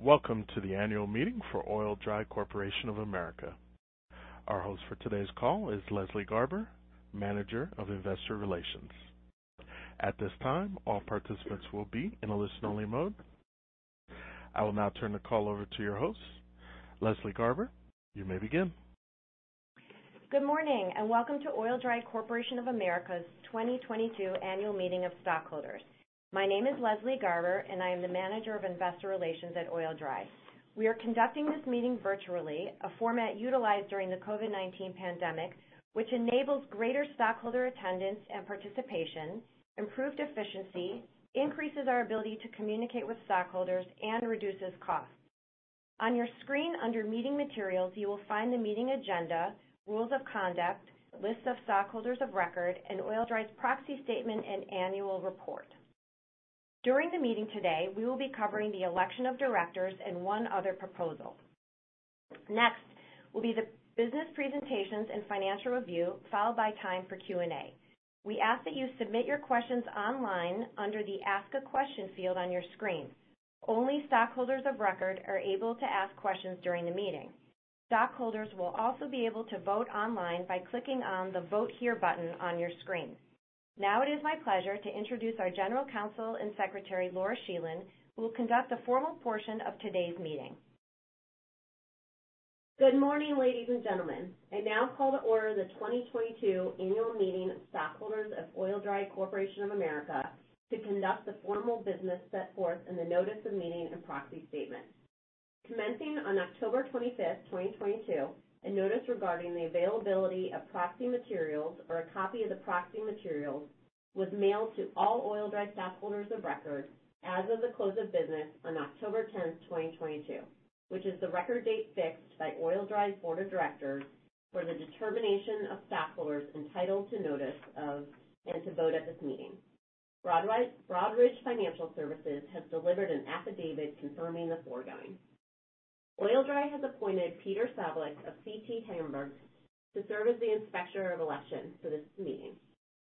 Welcome to the annual meeting for Oil-Dri Corporation of America. Our host for today's call is Leslie Garber, Manager of Investor Relations. At this time, all participants will be in a listen-only mode. I will now turn the call over to your host. Leslie Garber, you may begin. Good morning, welcome to Oil-Dri Corporation of America's 2022 Annual Meeting of Stockholders. My name is Leslie Garber, and I am the Manager of Investor Relations at Oil-Dri. We are conducting this meeting virtually, a format utilized during the COVID-19 pandemic, which enables greater stockholder attendance and participation, improved efficiency, increases our ability to communicate with stockholders, and reduces costs. On your screen under meeting materials, you will find the meeting agenda, rules of conduct, list of stockholders of record, and Oil-Dri's proxy statement and annual report. During the meeting today, we will be covering the election of directors and one other proposal. Next will be the business presentations and financial review, followed by time for Q&A. We ask that you submit your questions online under the Ask A Question field on your screen. Only stockholders of record are able to ask questions during the meeting. Stockholders will also be able to vote online by clicking on the Vote Here button on your screen. It is my pleasure to introduce our General Counsel and Secretary, Laura Scheland, who will conduct the formal portion of today's meeting. Good morning, ladies and gentlemen. I now call to order the 2022 annual meeting of stockholders of Oil-Dri Corporation of America to conduct the formal business set forth in the notice of meeting and proxy statement. Commencing on October 25, 2022, a notice regarding the availability of proxy materials or a copy of the proxy materials was mailed to all Oil-Dri stockholders of record as of the close of business on October 10, 2022, which is the record date fixed by Oil-Dri's Board of Directors for the determination of stockholders entitled to notice of and to vote at this meeting. Broadridge Financial Services has delivered an affidavit confirming the foregoing. Oil-Dri has appointed Peter Sablich of CT Hagberg to serve as the Inspector of Election for this meeting.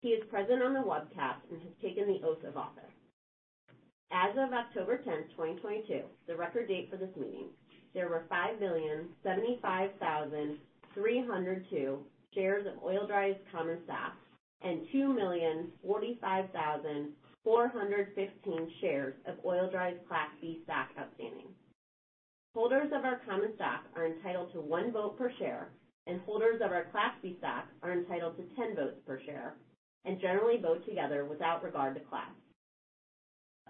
He is present on the webcast and has taken the oath of office. As of October 10th, 2022, the record date for this meeting, there were 5,075,302 shares of Oil-Dri's common stock and 2,045,415 shares of Oil-Dri's Class B stock outstanding. Holders of our common stock are entitled to one vote per share. Holders of our Class B stock are entitled to 10 votes per share and generally vote together without regard to class.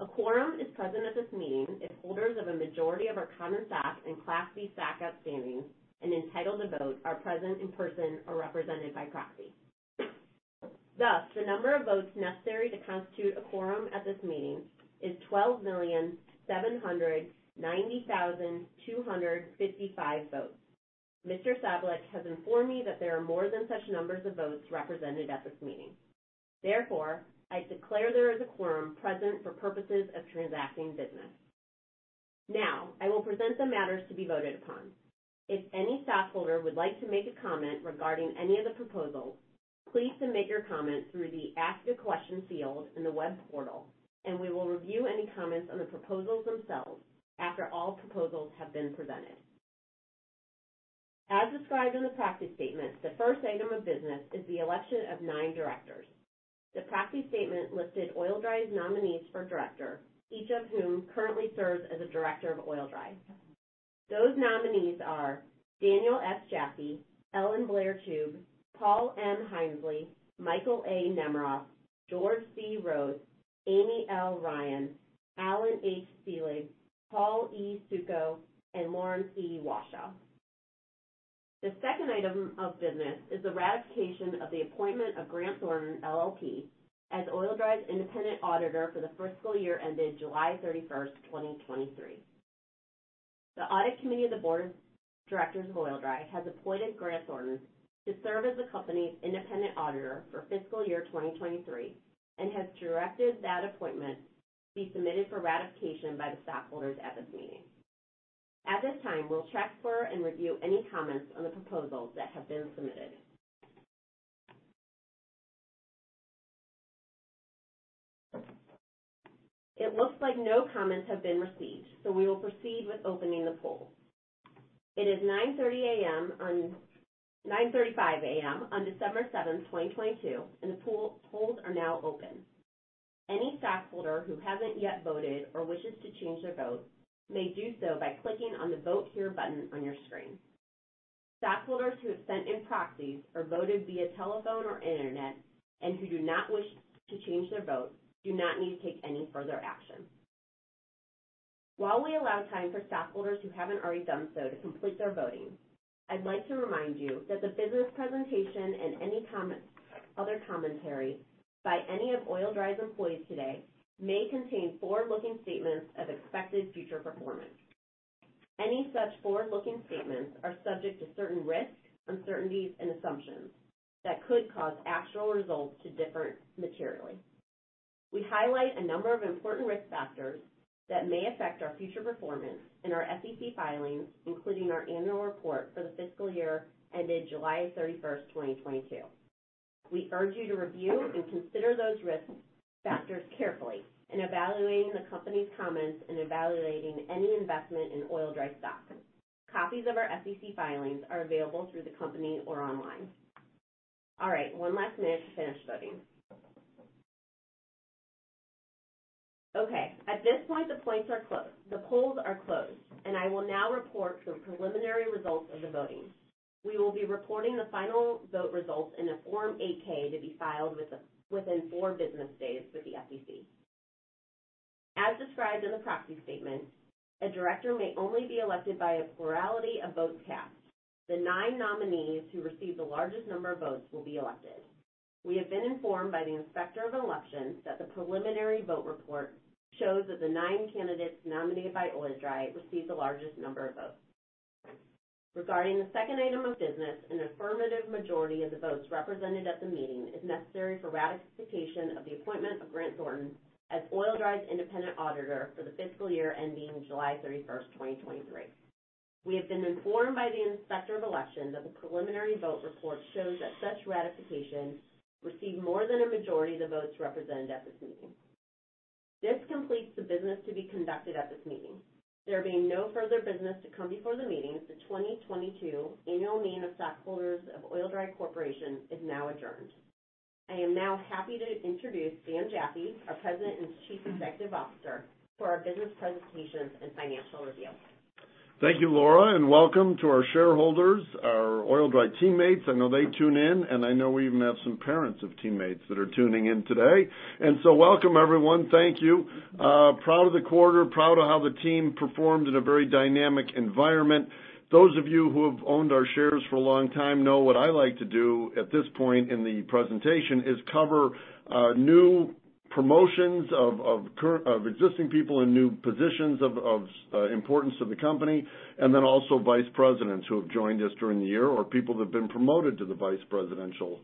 A quorum is present at this meeting if holders of a majority of our common stock and Class B stock outstanding and entitled to vote are present in person or represented by proxy. Thus, the number of votes necessary to constitute a quorum at this meeting is 12,790,255 votes. Mr. Peter Sablich has informed me that there are more than such numbers of votes represented at this meeting. Therefore, I declare there is a quorum present for purposes of transacting business. Now I will present the matters to be voted upon. If any stockholder would like to make a comment regarding any of the proposals, please submit your comment through the Ask a Question field in the web portal, and we will review any comments on the proposals themselves after all proposals have been presented. As described in the proxy statement, the first item of business is the election of nine directors. The proxy statement listed Oil-Dri's nominees for director, each of whom currently serves as a director of Oil-Dri. Those nominees are Daniel S. Jaffee, Ellen-Blair Chube, Paul M. Hindsley, Michael A. Nemeroff, George C. Roeth, Amy L. Ryan, Allan H. Selig, Paul E. Suckow, and Lawrence E. Washow. The second item of business is the ratification of the appointment of Grant Thornton LLP as Oil-Dri's independent auditor for the fiscal year ended July 31st, 2023. The Audit Committee of the Board of Directors of Oil-Dri has appointed Grant Thornton to serve as the company's independent auditor for fiscal year 2023 and has directed that appointment be submitted for ratification by the stockholders at this meeting. At this time, we'll check for and review any comments on the proposals that have been submitted. It looks like no comments have been received, so we will proceed with opening the poll. It is 9:35 A.M. on December 7th, 2022, and the polls are now open. Any stockholder who hasn't yet voted or wishes to change their vote may do so by clicking on the Vote Here button on your screen. Stockholders who have sent in proxies or voted via telephone or internet and who do not wish to change their vote do not need to take any further action. While we allow time for stockholders who haven't already done so to complete their voting, I'd like to remind you that the business presentation and any other commentary by any of Oil-Dri's employees today may contain forward-looking statements of expected future performance. Any such forward-looking statements are subject to certain risks, uncertainties, and assumptions that could cause actual results to differ materially. We highlight a number of important risks factors that may affect our future performance in our SEC filings, including our annual report for the fiscal year ended July 31st, 2022. We urge you to review and consider those risks factors carefully in evaluating the company's comments, in evaluating any investment in Oil-Dri stock. Copies of our SEC filings are available through the company or online. All right, one last minute to finish voting. Okay, at this point, the polls are closed. I will now report the preliminary results of the voting. We will be reporting the final vote results in a Form 8-K to be filed within four business days with the SEC. As described in the proxy statement, a director may only be elected by a plurality of votes cast. The nine nominees who receive the largest number of votes will be elected. We have been informed by the Inspector of Elections that the preliminary vote report shows that the nine candidates nominated by Oil-Dri received the largest number of votes. Regarding the second item of business, an affirmative majority of the votes represented at the meeting is necessary for ratification of the appointment of Grant Thornton as Oil-Dri's independent auditor for the fiscal year ending July 31st, 2023. We have been informed by the Inspector of Elections that the preliminary vote report shows that such ratification received more than a majority of the votes represented at this meeting. This completes the business to be conducted at this meeting. There being no further business to come before the meeting, the 2022 annual meeting of stockholders of Oil-Dri Corporation is now adjourned. I am now happy to introduce Dan Jaffee, our President and Chief Executive Officer, for our business presentations and financial review. Thank you, Laura, and welcome to our shareholders, our Oil-Dri teammates. I know they tune in, and I know we even have some parents of teammates that are tuning in today. Welcome, everyone. Thank you. Proud of the quarter, proud of how the team performed in a very dynamic environment. Those of you who have owned our shares for a long time know what I like to do at this point in the presentation is cover new promotions of existing people in new positions of importance to the company, and then also vice presidents who have joined us during the year or people that have been promoted to the vice presidential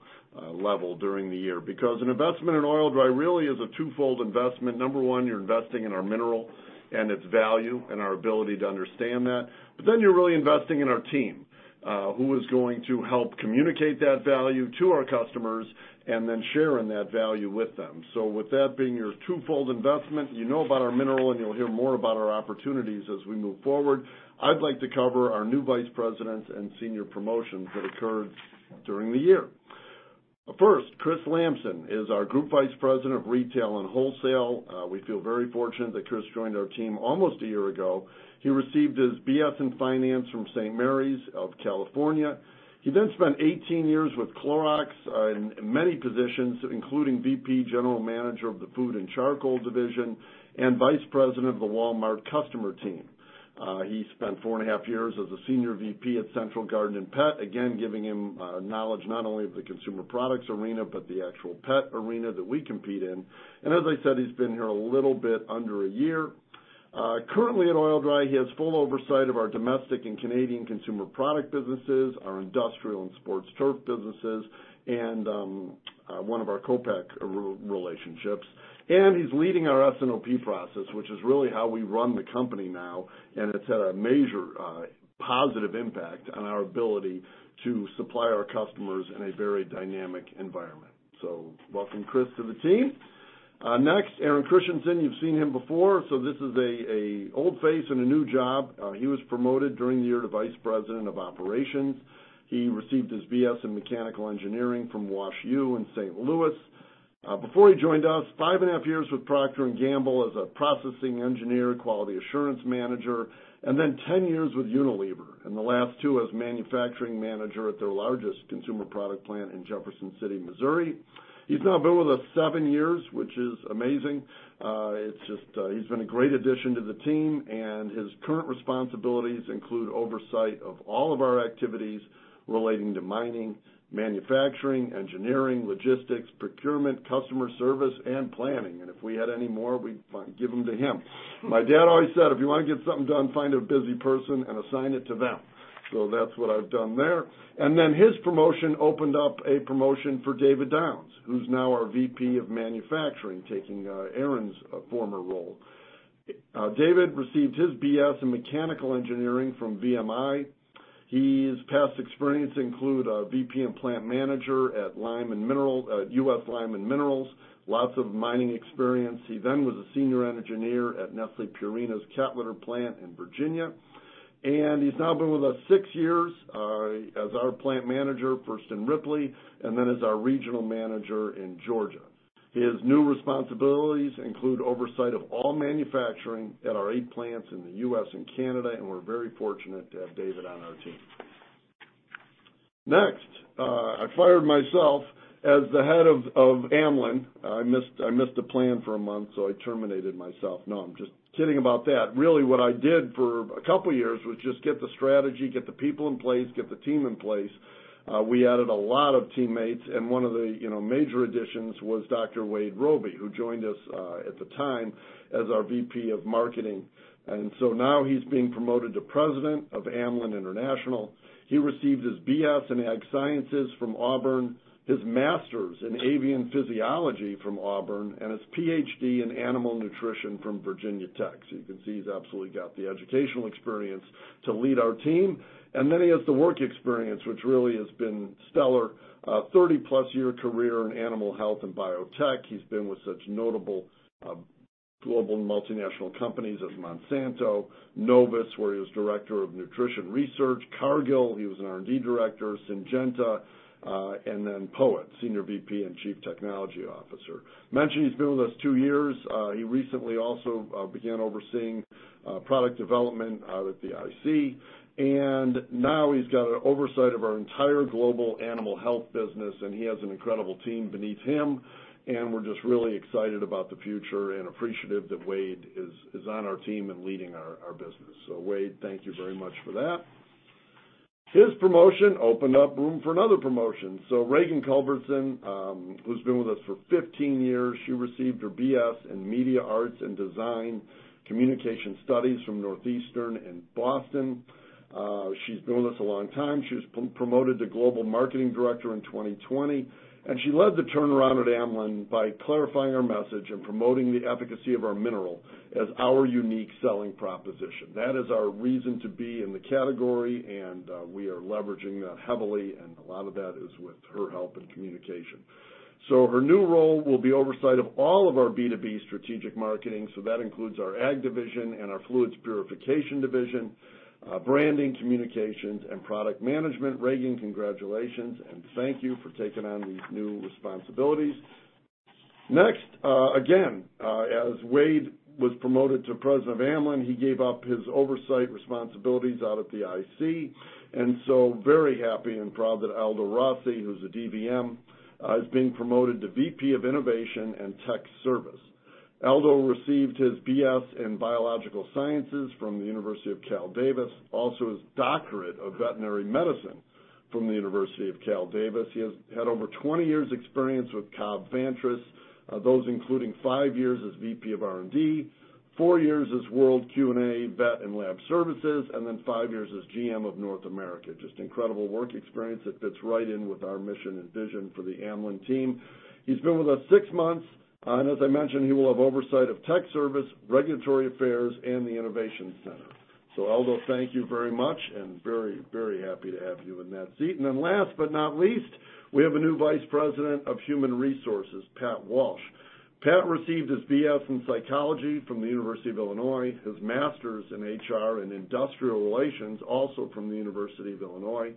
level during the year. An investment in Oil-Dri really is a twofold investment. Number one, you're investing in our mineral and its value and our ability to understand that. Then you're really investing in our team, who is going to help communicate that value to our customers and then share in that value with them. With that being your twofold investment, you know about our mineral, and you'll hear more about our opportunities as we move forward. I'd like to cover our new Vice Presidents and senior promotions that occurred during the year. First, Chris Lamson is our Group Vice President of Retail and Wholesale. We feel very fortunate that Chris joined our team almost a year ago. He received his BS in Finance from Saint Mary's College of California. He then spent 18 years with Clorox in many positions, including VP General Manager of the Food and Charcoal Division and Vice President of the Walmart Customer Team. He spent 4.5 years as a Senior VP at Central Garden & Pet, again, giving him knowledge not only of the consumer products arena, but the actual pet arena that we compete in. As I said, he's been here a little bit under a year. Currently at Oil-Dri, he has full oversight of our domestic and Canadian consumer product businesses, our industrial and sports turf businesses, and one of our co-pack relationships. He's leading our S&OP process, which is really how we run the company now, and it's had a major positive impact on our ability to supply our customers in a very dynamic environment. Welcome, Chris, to the team. Next, Aaron Christiansen. You've seen him before, so this is a old face and a new job. He was promoted during the year to Vice President of Operations. He received his BS in mechanical engineering from WashU in St. Louis. Before he joined us, 5.5 Years with Procter & Gamble as a processing engineer, quality assurance manager, and then 10 years with Unilever, and the last two as manufacturing manager at their largest consumer product plant in Jefferson City, Missouri. He's now been with us seven years, which is amazing. It's just, he's been a great addition to the team. His current responsibilities include oversight of all of our activities relating to mining, manufacturing, engineering, logistics, procurement, customer service, and planning. If we had any more, we'd give them to him. My dad always said, "If you wanna get something done, find a busy person and assign it to them." That's what I've done there. His promotion opened up a promotion for David Downs, who's now our VP of Manufacturing, taking Aaron Christiansen's former role. David received his BS in Mechanical Engineering from VMI. His past experience include VP and Plant Manager at US Lime & Minerals. Lots of mining experience. He then was a Senior Engineer at Nestlé Purina's cat litter plant in Virginia. He's now been with us six years as our plant manager, first in Ripley and then as our Regional Manager in Georgia. His new responsibilities include oversight of all manufacturing at our eight plants in the U.S. and Canada, and we're very fortunate to have David on our team. Next, I fired myself as the head of Amlan. I missed a plan for a month, so I terminated myself. No, I'm just kidding about that. Really, what I did for a couple years was just get the strategy, get the people in place, get the team in place. We added a lot of teammates, and one of the, you know, major additions was Dr. Wade Robey, who joined us at the time as our VP of Marketing. Now he's being promoted to President of Amlan International. He received his BS in Ag-Sciences from Auburn, his master's in Avian Physiology from Auburn, and his PhD in Animal Nutrition from Virginia Tech. So you can see he's absolutely got the educational experience to lead our team. Then he has the work experience, which really has been stellar. 30+ year career in animal health and biotech. He's been with such notable, global multinational companies as Monsanto, Novus, where he was Director of Nutrition Research, Cargill, he was an R&D Director, Syngenta, and then POET, Senior VP and Chief Technology Officer. Mentioned he's been with us two years. He recently also began overseeing product development out at the IC. Now he's got oversight of our entire global animal health business, and he has an incredible team beneath him. We're just really excited about the future and appreciative that Wade is on our team and leading our business. Wade, thank you very much for that. His promotion opened up room for another promotion. Reagan Culbertson, who's been with us for 15 years. She received her BS in Media Arts and Design, Communication Studies from Northeastern in Boston. She's been with us a long time. She was promoted to Global Marketing Director in 2020, and she led the turnaround at Amlan by clarifying our message and promoting the efficacy of our mineral as our unique selling proposition. That is our reason to be in the category, and we are leveraging that heavily, and a lot of that is with her help in communication. Her new role will be oversight of all of our B2B strategic marketing, so that includes our Ag Division and our Fluids Purification division, branding, communications, and product management. Reagan, congratulations, and thank you for taking on these new responsibilities. Next, again, as Wade was promoted to President of Amlan, he gave up his oversight responsibilities out at the IC. Very happy and proud that Aldo Rossi, who's a DVM, is being promoted to VP of Innovation and Tech Service. Aldo received his B.S. in biological sciences from the University of California, Davis, also his Doctorate of Veterinary Medicine from the University of California, Davis. He has had over 20 years experience with Cobb-Vantress, those including five years as VP of R&D, four years as world Q&A vet and lab services, and five years as GM of North America. Just incredible work experience that fits right in with our mission and vision for the Amlan team. He's been with us six months, and as I mentioned, he will have oversight of tech service, regulatory affairs, and the Innovation Center. Aldo, thank you very much and very, very happy to have you in that seat. Last but not least, we have a new Vice President of Human Resources, Pat Walsh. Pat received his BS in Psychology from the University of Illinois, his Master's in HR and industrial relations also from the University of Illinois.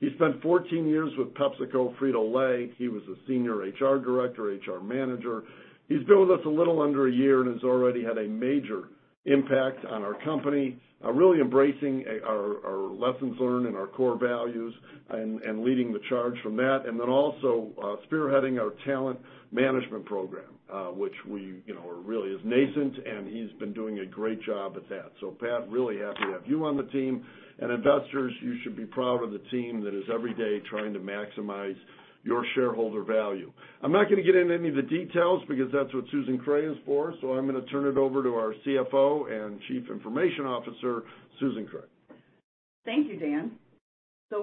He spent 14 years with PepsiCo Frito-Lay. He was a senior HR director, HR manager. He's been with us a little under a year and has already had a major impact on our company, really embracing our lessons learned and our core values and leading the charge from that. Also, spearheading our talent management program, which we, you know, really is nascent, and he's been doing a great job at that. Pat, really happy to have you on the team. Investors, you should be proud of the team that is every day trying to maximize your shareholder value. I'm not gonna get into any of the details because that's what Susan Kreh is for. I'm gonna turn it over to our CFO and Chief Information Officer, Susan Kreh. Thank you, Dan.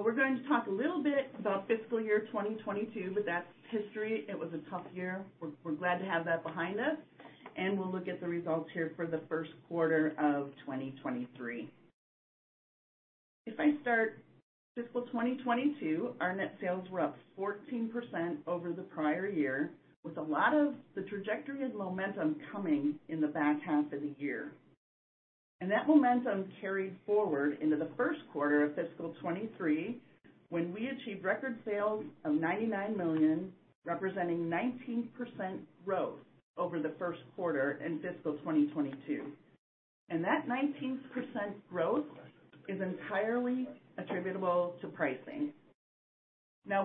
We're going to talk a little bit about fiscal year 2022, but that's history. It was a tough year. We're glad to have that behind us. We'll look at the results here for the Q1 of 2023. If I start fiscal 2022, our net sales were up 14% over the prior year with a lot of the trajectory and momentum coming in the back half of the year. That momentum carried forward into the Q1 of fiscal 2023 when we achieved record sales of $99 million, representing 19% growth over the Q1 in fiscal 2022. That 19% growth is entirely attributable to pricing.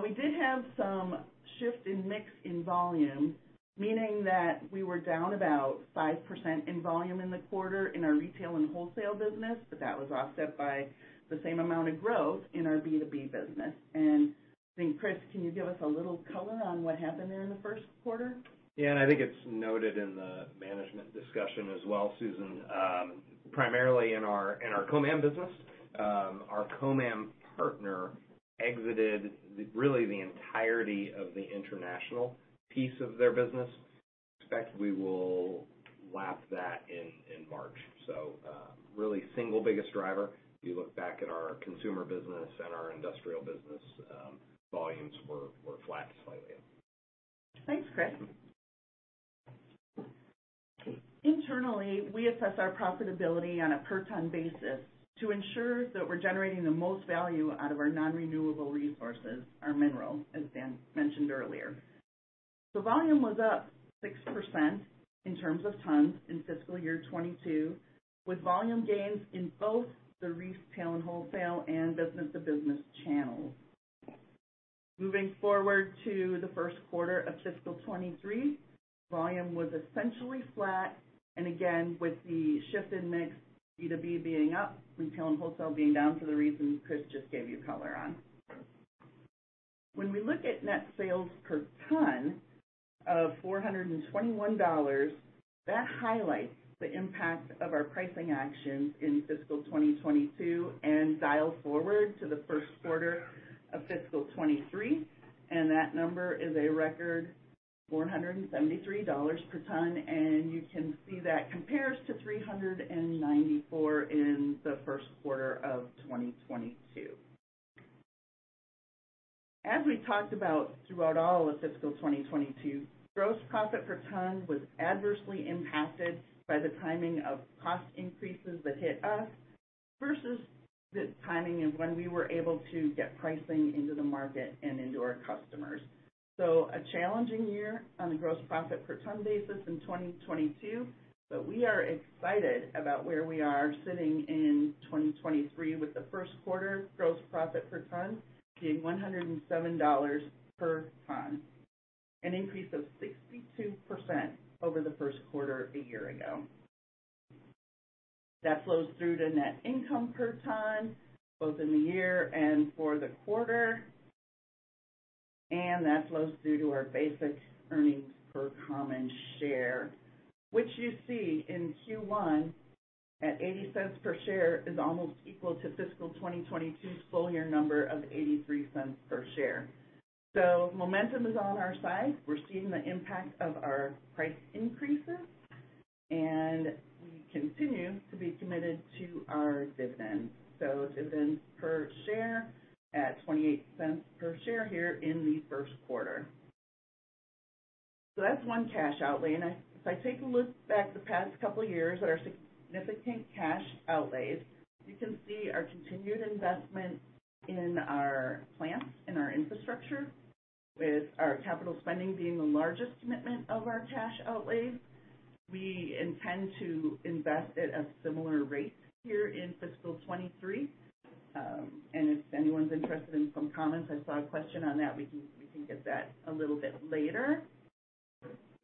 We did have some shift in mix in volume, meaning that we were down about 5% in volume in the quarter in our retail and wholesale business, but that was offset by the same amount of growth in our B2B business. I think, Chris, can you give us a little color on what happened there in the Q1? I think it's noted in the management discussion as well, Susan. primarily in our [ComAm] business. Our [ComAm] partner exited really the entirety of the international piece of their business. Expect we will lap that in March. Really single biggest driver, if you look back at our consumer business and our industrial business, volumes were flat slightly. Thanks, Chris. Internally, we assess our profitability on a per ton basis to ensure that we're generating the most value out of our non-renewable resources, our mineral, as Dan mentioned earlier. Volume was up 6% in terms of tons in fiscal year 2022, with volume gains in both the retail and wholesale and business-to-business channels. Moving forward to the Q1 of fiscal 2023, volume was essentially flat, and again, with the shift in mix, B2B being up, retail and wholesale being down for the reasons Chris just gave you color on. When we look at net sales per ton of $421, that highlights the impact of our pricing actions in fiscal 2022 and dial forward to the Q1 of fiscal 2023, and that number is a record $473 per ton, and you can see that compares to $394 in the Q1 of 2022. As we talked about throughout all of fiscal 2022, gross profit per ton was adversely impacted by the timing of cost increases that hit us versus the timing of when we were able to get pricing into the market and into our customers. A challenging year on a gross profit per ton basis in 2022, but we are excited about where we are sitting in 2023 with the Q1 gross profit per ton being $107 per ton, an increase of 62% over the Q1 a year ago. That flows through to net income per ton, both in the year and for the quarter, and that flows through to our basic earnings per common share, which you see in Q1 at $0.80 per share is almost equal to fiscal 2022's full year number of $0.83 per share. Momentum is on our side. We're seeing the impact of our price increases, and we continue to be committed to our dividends. Dividends per share at $0.28 per share here in the Q1. That's one cash outlay. If I take a look back the past couple of years at our significant cash outlays, you can see our continued investment in our plants and our infrastructure, with our capital spending being the largest commitment of our cash outlays. We intend to invest at a similar rate here in fiscal 2023. If anyone's interested in some comments, I saw a question on that. We can get that a little bit later.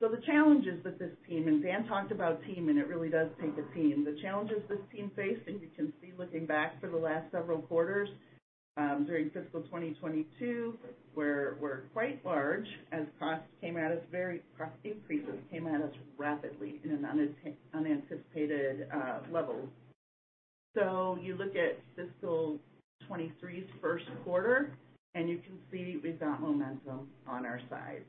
The challenges that this team, and Dan talked about team, and it really does take a team. The challenges this team faced, and you can see looking back for the last several quarters, during fiscal 2022, were quite large as cost increases came at us rapidly in an unanticipated levels. You look at fiscal 2023's Q1 and you can see we've got momentum on our side.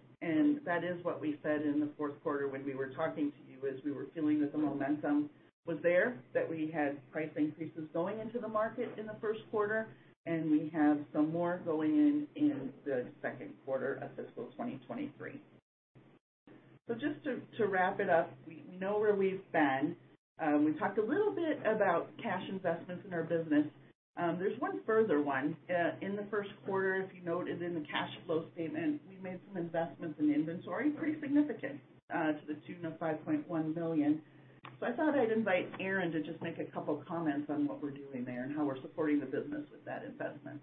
That is what we said in the Q4 when we were talking to you, is we were feeling that the momentum was there, that we had price increases going into the market in the Q1, and we have some more going in in the second quarter of fiscal 2023. Just to wrap it up, we know where we've been. We talked a little bit about cash investments in our business. There's one further one. In the Q1, if you noted in the cash flow statement, we made some investments in inventory, pretty significant, to the tune of $5.1 million. I thought I'd invite Aaron to just make a couple comments on what we're doing there and how we're supporting the business with that investment.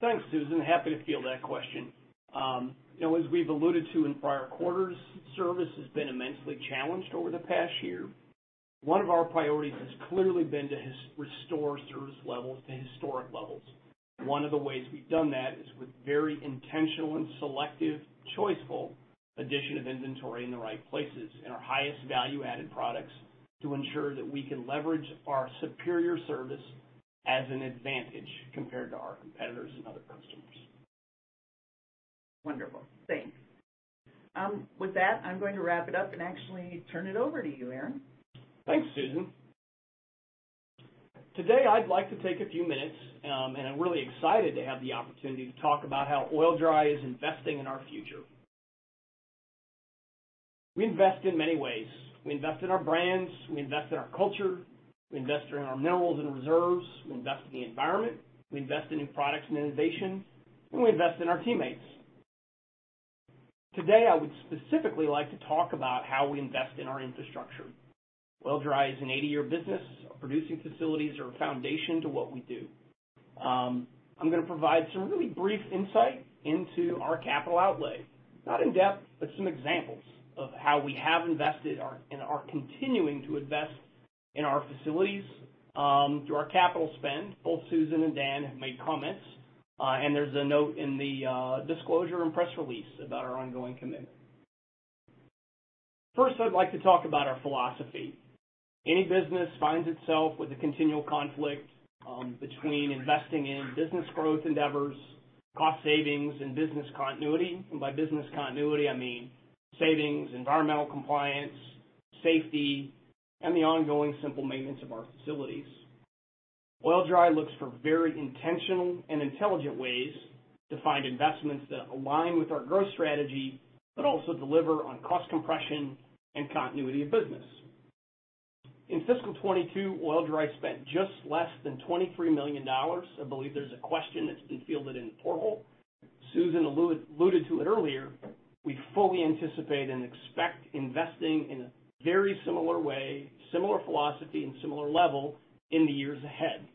Thanks, Susan. Happy to field that question. You know, as we've alluded to in prior quarters, service has been immensely challenged over the past year. One of our priorities has clearly been to restore service levels to historic levels. One of the ways we've done that is with very intentional and selective, choiceful addition of inventory in the right places and our highest value-added products to ensure that we can leverage our superior service as an advantage compared to our competitors and other customers. Wonderful. Thanks. With that, I'm going to wrap it up and actually turn it over to you, Aaron. Thanks, Susan. Today, I'd like to take a few minutes, and I'm really excited to have the opportunity to talk about how Oil-Dri is investing in our future. We invest in many ways. We invest in our brands, we invest in our culture, we invest in our minerals and reserves, we invest in the environment, we invest in new products and innovation, and we invest in our teammates. Today, I would specifically like to talk about how we invest in our infrastructure. Oil-Dri is an 80-year business. Our producing facilities are a foundation to what we do. I'm gonna provide some really brief insight into our capital outlay. Not in depth, but some examples of how we have invested and are continuing to invest in our facilities through our capital spend. Both Susan and Dan have made comments, and there's a note in the disclosure and press release about our ongoing commitment. First, I'd like to talk about our philosophy. Any business finds itself with a continual conflict between investing in business growth endeavors, cost savings, and business continuity. By business continuity, I mean savings, environmental compliance, safety, and the ongoing simple maintenance of our facilities. Oil-Dri looks for very intentional and intelligent ways to find investments that align with our growth strategy, but also deliver on cost compression and continuity of business. In fiscal 2022, Oil-Dri spent just less than $23 million. I believe there's a question that's been fielded in the portal. Susan alluded to it earlier. We fully anticipate and expect investing in a very similar way, similar philosophy, and similar level in the years ahead.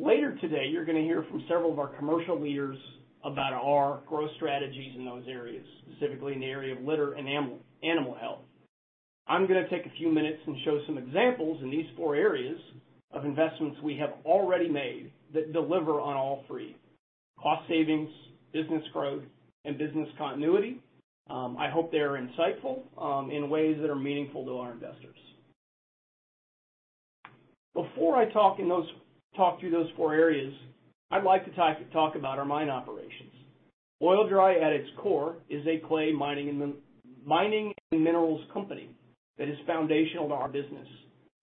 Later today, you're gonna hear from several of our commercial leaders about our growth strategies in those areas, specifically in the area of litter and animal health. I'm gonna take a few minutes and show some examples in these four areas of investments we have already made that deliver on all three: cost savings, business growth, and business continuity. I hope they are insightful in ways that are meaningful to our investors. Before I talk through those 4 areas, I'd like to talk about our mine operations. Oil-Dri at its core is a clay mining and minerals company that is foundational to our business.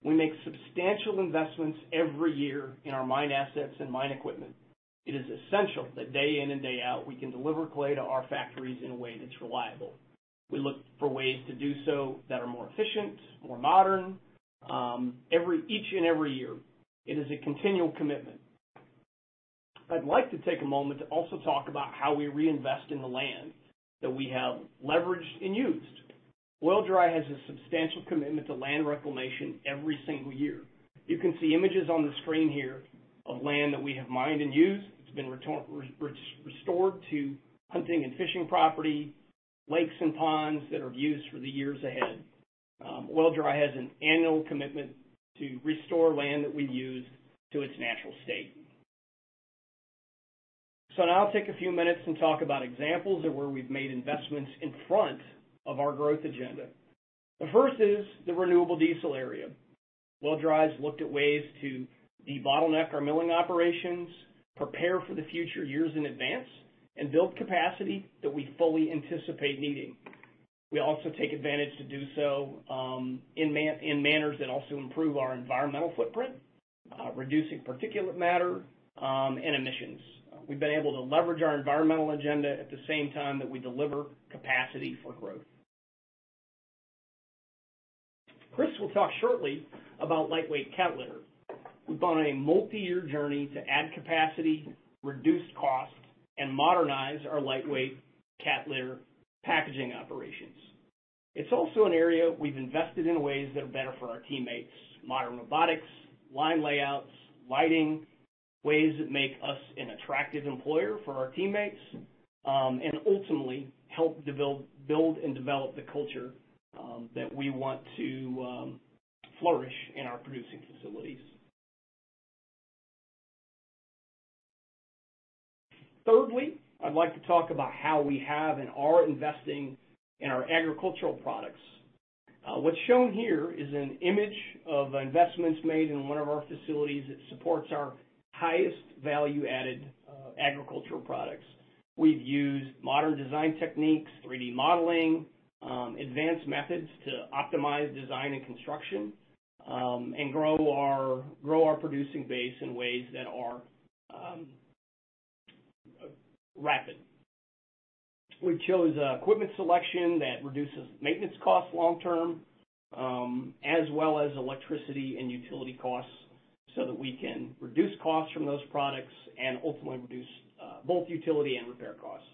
We make substantial investments every year in our mine assets and mine equipment. It is essential that day in and day out, we can deliver clay to our factories in a way that's reliable. We look for ways to do so that are more efficient, more modern, each and every year. It is a continual commitment. I'd like to take a moment to also talk about how we reinvest in the land that we have leveraged and used. Oil-Dri has a substantial commitment to land reclamation every single year. You can see images on the screen here of land that we have mined and used. It's been restored to hunting and fishing property, lakes and ponds that are of use for the years ahead. Oil-Dri has an annual commitment to restore land that we use to its natural state. Now I'll take a few minutes and talk about examples of where we've made investments in front of our growth agenda. The first is the renewable diesel area. Oil-Dri's looked at ways to debottleneck our milling operations, prepare for the future years in advance, and build capacity that we fully anticipate needing. We also take advantage to do so in manners that also improve our environmental footprint, reducing particulate matter, and emissions. We've been able to leverage our environmental agenda at the same time that we deliver capacity for growth. Chris will talk shortly about lightweight cat litter. We've gone on a multi-year journey to add capacity, reduce cost, and modernize our lightweight cat litter packaging operations. It's also an area we've invested in ways that are better for our teammates; modern robotics, line layouts, lighting, ways that make us an attractive employer for our teammates, and ultimately help build and develop the culture that we want to flourish in our producing facilities. Thirdly, I'd like to talk about how we have and are investing in our agricultural products. What's shown here is an image of investments made in one of our facilities that supports our highest value-added, agricultural products. We've used modern design techniques, 3D modeling, advanced methods to optimize design and construction, and grow our producing base in ways that are rapid. We chose a equipment selection that reduces maintenance costs long term, as well as electricity and utility costs so that we can reduce costs from those products and ultimately reduce, both utility and repair costs.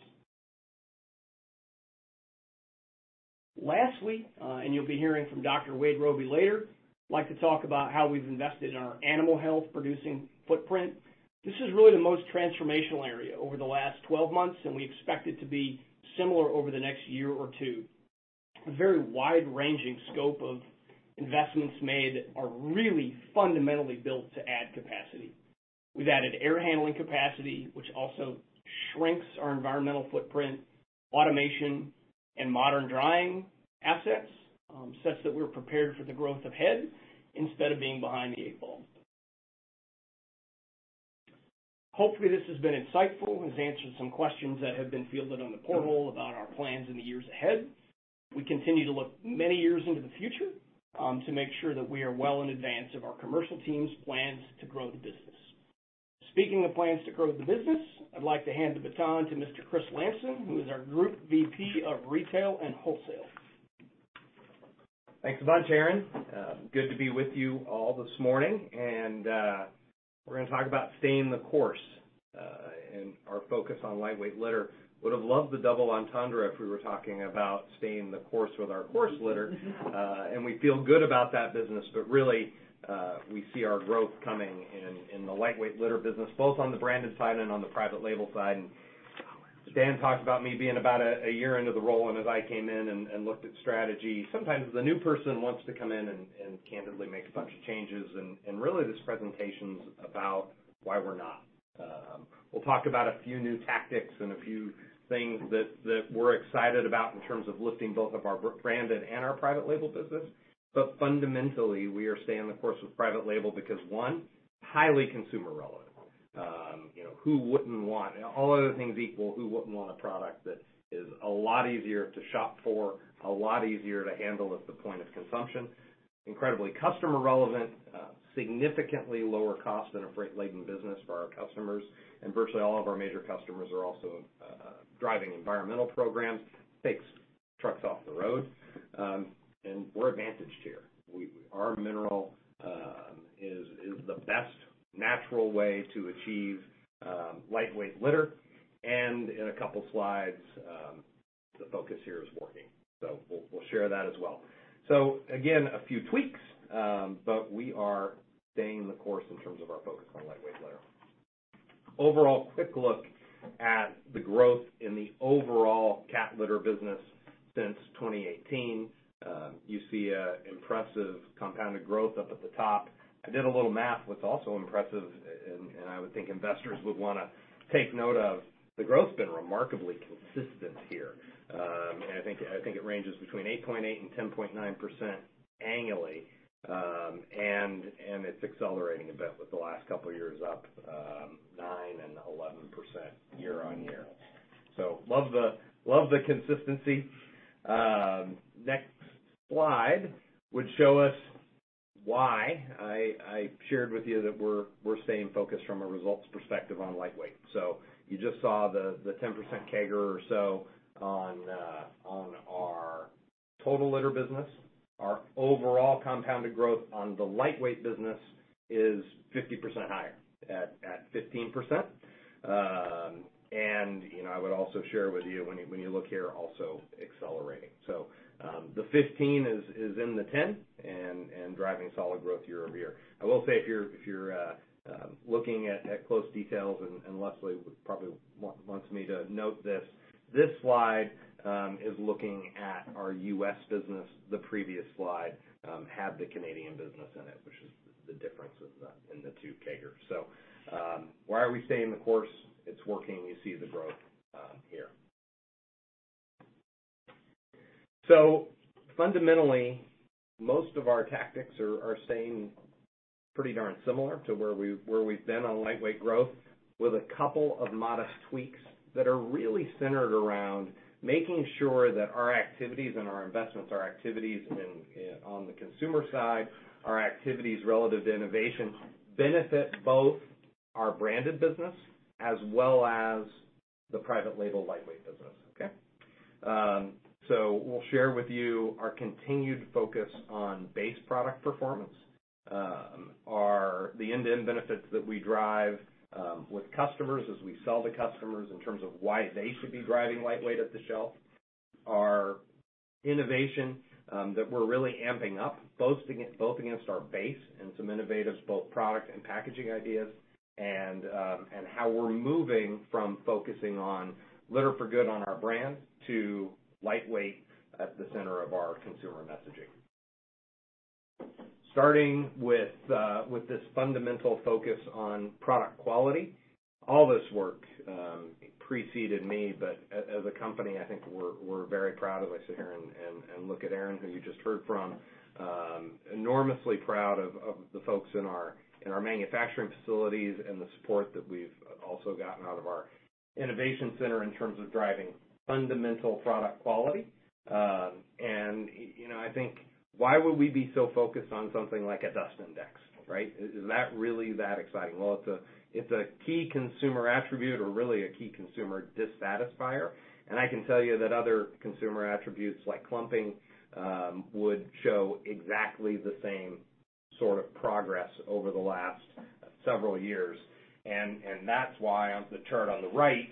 Lastly, you'll be hearing from Dr. Wade Robey later, like to talk about how we've invested in our animal health producing footprint. This is really the most transformational area over the last 12 months, and we expect it to be similar over the next year or two. A very wide-ranging scope of investments made are really fundamentally built to add capacity. We've added air handling capacity, which also shrinks our environmental footprint, automation, and modern drying assets, such that we're prepared for the growth ahead instead of being behind the eight ball. Hopefully this has been insightful and has answered some questions that have been fielded on the portal about our plans in the years ahead. We continue to look many years into the future, to make sure that we are well in advance of our commercial team's plans to grow the business. Speaking of plans to grow the business, I'd like to hand the baton to Mr. Chris Lamson, who is our Group VP of Retail and Wholesale. Thanks a bunch, Aaron. Good to be with you all this morning. We're gonna talk about staying the course, and our focus on lightweight litter. Would have loved the double entendre if we were talking about staying the course with our course litter. We feel good about that business, but really, we see our growth coming in the lightweight litter business, both on the branded side and on the private label side. Dan talked about me being about a year into the role, and as I came in and looked at strategy, sometimes the new person wants to come in and candidly make a bunch of changes. Really, this presentation's about why we're not. We'll talk about a few new tactics and a few things that we're excited about in terms of lifting both of our branded and our private label business. Fundamentally, we are staying the course with private label because, one, highly consumer relevant. You know, who wouldn't want All other things equal, who wouldn't want a product that is a lot easier to shop for, a lot easier to handle at the point of consumption? Incredibly customer relevant, significantly lower cost than a freight-laden business for our customers. Virtually all of our major customers are also driving environmental programs, takes trucks off the road. We're advantaged here. Our mineral is the best natural way to achieve lightweight litter. In a couple slides, the focus here is working. We'll share that as well. Again, a few tweaks, but we are staying the course in terms of our focus on lightweight litter. Overall quick look at the growth in the overall cat litter business since 2018. You see a impressive compounded growth up at the top. I did a little math, what's also impressive and I would think investors would want to take note of, the growth's been remarkably consistent. Consistency here. And I think it ranges between 8.8%-10.9% annually, and it's accelerating a bit with the last couple of years up 9% and 11% year-on-year. Love the consistency. Next slide would show us why I shared with you that we're staying focused from a results perspective on lightweight. You just saw the 10% CAGR or so on our total litter business. Our overall compounded growth on the lightweight business is 50% higher at 15%. You know, I would also share with you when you look here, also accelerating. The 15 is in the 10 and driving solid growth year-over-year. I will say if you're looking at close details, and Leslie probably wants me to note this slide is looking at our U.S. business. The previous slide had the Canadian business in it, which is the difference with in the two CAGR. Why are we staying the course? It's working. You see the growth here. Fundamentally, most of our tactics are staying pretty darn similar to where we've been on lightweight growth with a couple of modest tweaks that are really centered around making sure that our activities and our investments, our activities in on the consumer side, our activities relative to innovation benefit both our branded business as well as the private label lightweight business, okay? We'll share with you our continued focus on base product performance. the end-to-end benefits that we drive with customers as we sell to customers in terms of why they should be driving lightweight at the shelf, our innovation that we're really amping up both against our base and some innovative both product and packaging ideas, and how we're moving from focusing on Litter for Good on our brand to lightweight at the center of our consumer messaging. Starting with this fundamental focus on product quality, all this work preceded me, but as a company, I think we're very proud as I sit here and look at Aaron, who you just heard from, enormously proud of the folks in our manufacturing facilities and the support that we've also gotten out of our Innovation Center in terms of driving fundamental product quality. You know, I think why would we be so focused on something like a dust index, right? Is that really that exciting? It's a key consumer attribute or really a key consumer dissatisfier, and I can tell you that other consumer attributes like clumping would show exactly the same sort of progress over the last several years. That's why on the chart on the right,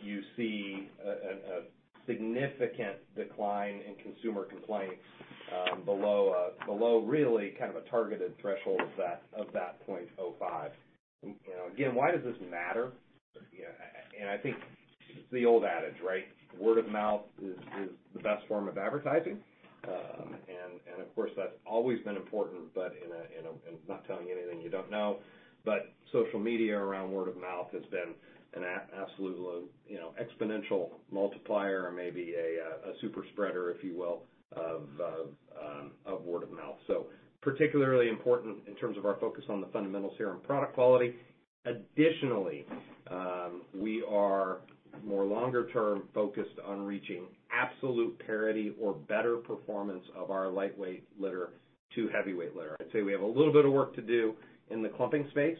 you see a significant decline in consumer complaints below really kind of a targeted threshold of that 0.05. You know, again, why does this matter? I think it's the old adage, right? Word of mouth is the best form of advertising. Of course, that's always been important, but in a. I'm not telling you anything you don't know, but social media around word of mouth has been an absolute, you know, exponential multiplier or maybe a super spreader, if you will, of word of mouth. Particularly important in terms of our focus on the fundamentals here and product quality. Additionally, we are more longer term focused on reaching absolute parity or better performance of our lightweight litter to heavyweight litter. I'd say we have a little bit of work to do in the clumping space,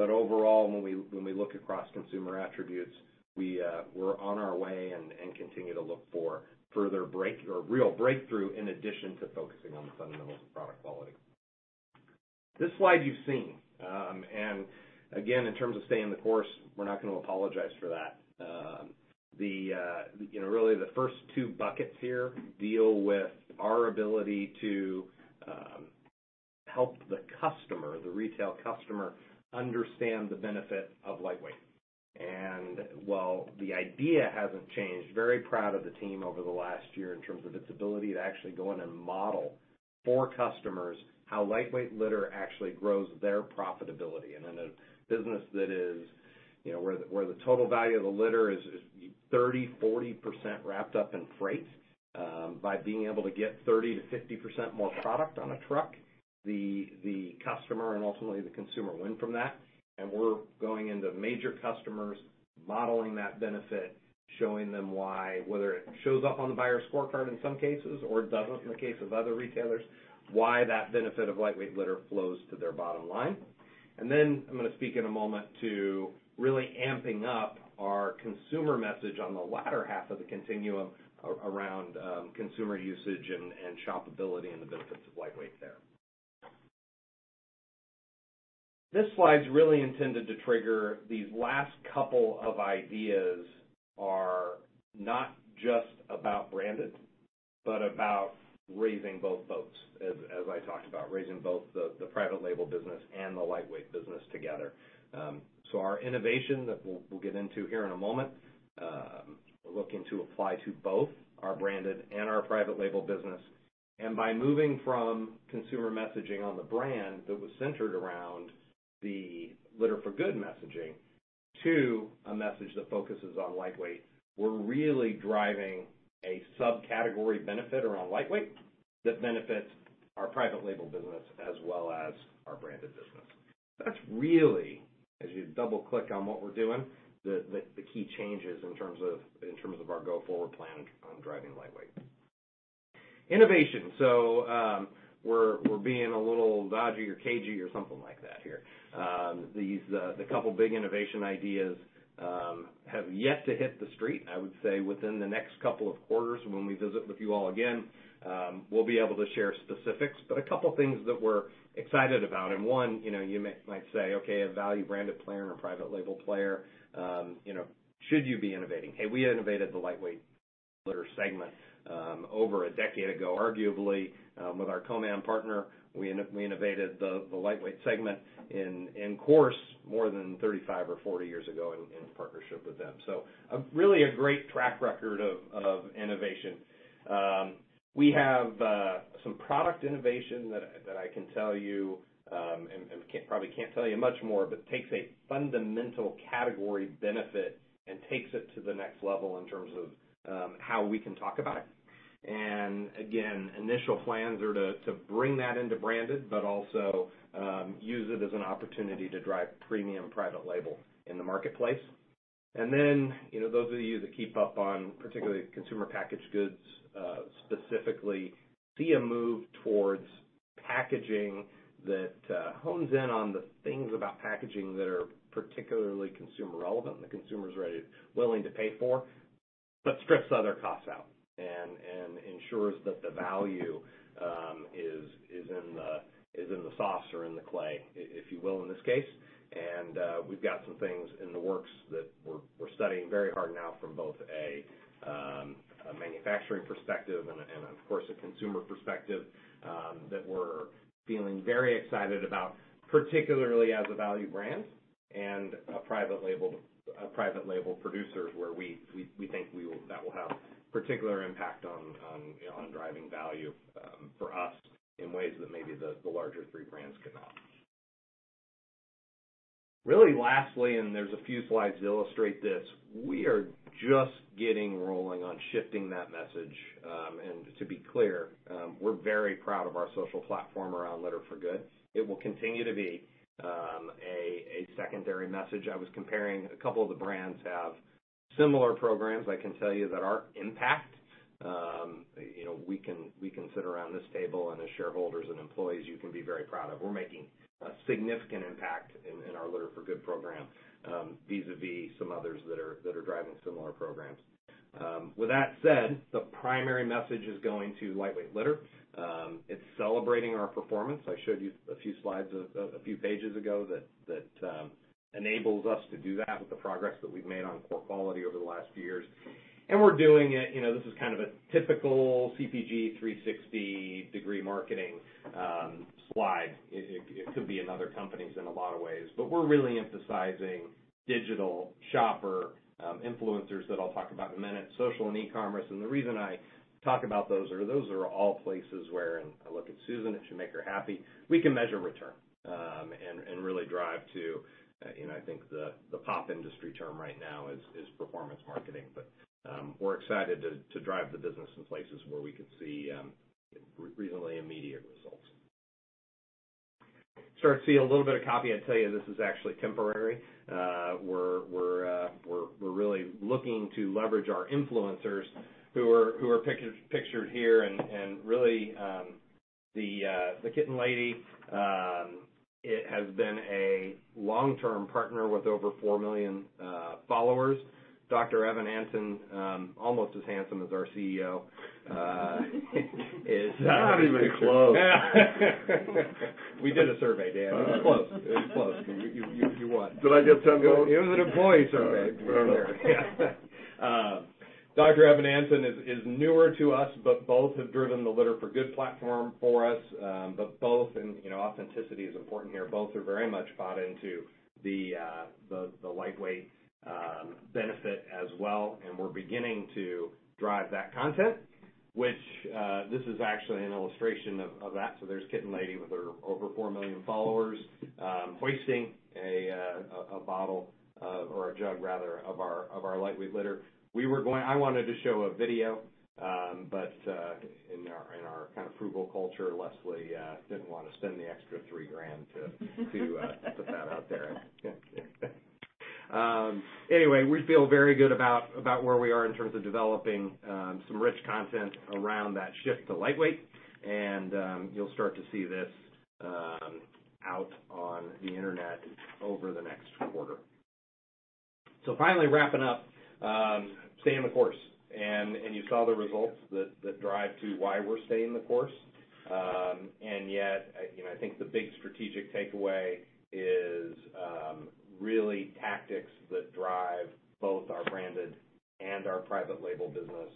but overall, when we look across consumer attributes, we're on our way and continue to look for further break or real breakthrough in addition to focusing on the fundamentals of product quality. This slide you've seen, and again, in terms of staying the course, we're not gonna apologize for that. The, you know, really the first two buckets here deal with our ability to help the customer, the retail customer understand the benefit of lightweight. While the idea hasn't changed, very proud of the team over the last year in terms of its ability to actually go in and model for customers how lightweight litter actually grows their profitability. In a business that is, you know, where the, where the total value of the litter is 30%, 40% wrapped up in freight, by being able to get 30%-50% more product on a truck, the customer and ultimately the consumer win from that. We're going into major customers, modeling that benefit, showing them why, whether it shows up on the buyer's scorecard in some cases or it doesn't in the case of other retailers, why that benefit of lightweight litter flows to their bottom line. Then I'm gonna speak in a moment to really amping up our consumer message on the latter half of the continuum around consumer usage and shopability and the benefits of lightweight there. This slide's really intended to trigger these last couple of ideas are not just about branded, but about raising both boats, as I talked about, raising both the private label business and the lightweight business together. Our innovation that we'll get into here in a moment, we're looking to apply to both our branded and our private label business. By moving from consumer messaging on the brand that was centered around the Litter for Good messaging to a message that focuses on lightweight, we're really driving a subcategory benefit around lightweight that benefits our private label business as well as our branded business. That's really, as you double-click on what we're doing, the key changes in terms of, in terms of our go-forward plan on driving lightweight. Innovation. We're being a little dodgy or cagey or something like that here. The couple big innovation ideas have yet to hit the street. I would say within the next couple of quarters when we visit with you all again, we'll be able to share specifics. A couple things that we're excited about, one, you know, you might say, "Okay, a value-branded player and a private label player, you know, should you be innovating?" Hey, we innovated the lightweight litter segment over a decade ago, arguably, with our ComEd partner. We innovated the lightweight segment in course more than 35 or 40 years ago in partnership with them. A really a great track record of innovation. We have some product innovation that I can tell you, and probably can't tell you much more, but takes a fundamental category benefit and takes it to the next level in terms of how we can talk about it. Again, initial plans are to bring that into branded, but also, use it as an opportunity to drive premium private label in the marketplace. Then, you know, those of you that keep up on particularly consumer packaged goods, specifically see a move towards packaging that hones in on the things about packaging that are particularly consumer relevant and the consumer's willing to pay for, but strips other costs out and ensures that the value is in the sauce or in the clay, if you will, in this case. We've got some things in the works that we're studying very hard now from both a manufacturing perspective and of course, a consumer perspective that we're feeling very excited about, particularly as a value brand and a private label producer where we think that will have particular impact on, you know, on driving value for us in ways that maybe the larger three brands cannot. Really lastly, there's a few slides to illustrate this, we are just getting rolling on shifting that message. And to be clear, we're very proud of our social platform around Litter for Good. It will continue to be a secondary message. I was comparing a couple of the brands have similar programs. I can tell you that our impact, you know, we can sit around this table and as shareholders and employees, you can be very proud of. We're making a significant impact in our Litter for Good program, vis-à-vis some others that are driving similar programs. With that said, the primary message is going to lightweight litter. It's celebrating our performance. I showed you a few slides a few pages ago that enables us to do that with the progress that we've made on core quality over the last few years. And we're doing it, you know, this is kind of a typical CPG 360-degree marketing, slide. It could be in other companies in a lot of ways. We're really emphasizing digital shopper, influencers that I'll talk about in a minute, social and e-commerce. The reason I talk about those are those are all places where, and I look at Susan, it should make her happy, we can measure return, and really drive to, you know, I think the pop industry term right now is performance marketing. We're excited to drive the business in places where we can see reasonably immediate results. Start to see a little bit of copy. I'd tell you this is actually temporary. We're really looking to leverage our influencers who are pictured here and really the Kitten Lady, it has been a long-term partner with over four million followers. Dr. Evan Antin, almost as handsome as our CEO. Not even close. We did a survey, Dan. It was close. It was close. You won. Did I get 10 votes? It was an employee survey. All right. Fair enough. Dr. Evan Antin is newer to us, but both have driven the Litter for Good platform for us. Both, and you know, authenticity is important here, both are very much bought into the lightweight benefit as well. We're beginning to drive that content, which this is actually an illustration of that. There's Kitten Lady with her over four million followers, hoisting a bottle of or a jug rather, of our lightweight litter. I wanted to show a video, in our kind of frugal culture, Leslie didn't wanna spend the extra $3,000 to put that out there. Anyway, we feel very good about where we are in terms of developing some rich content around that shift to lightweight. You'll start to see this out on the internet over the next quarter. Finally wrapping up, staying the course. You saw the results that drive to why we're staying the course. You know, I think the big strategic takeaway is really tactics that drive both our branded and our private label business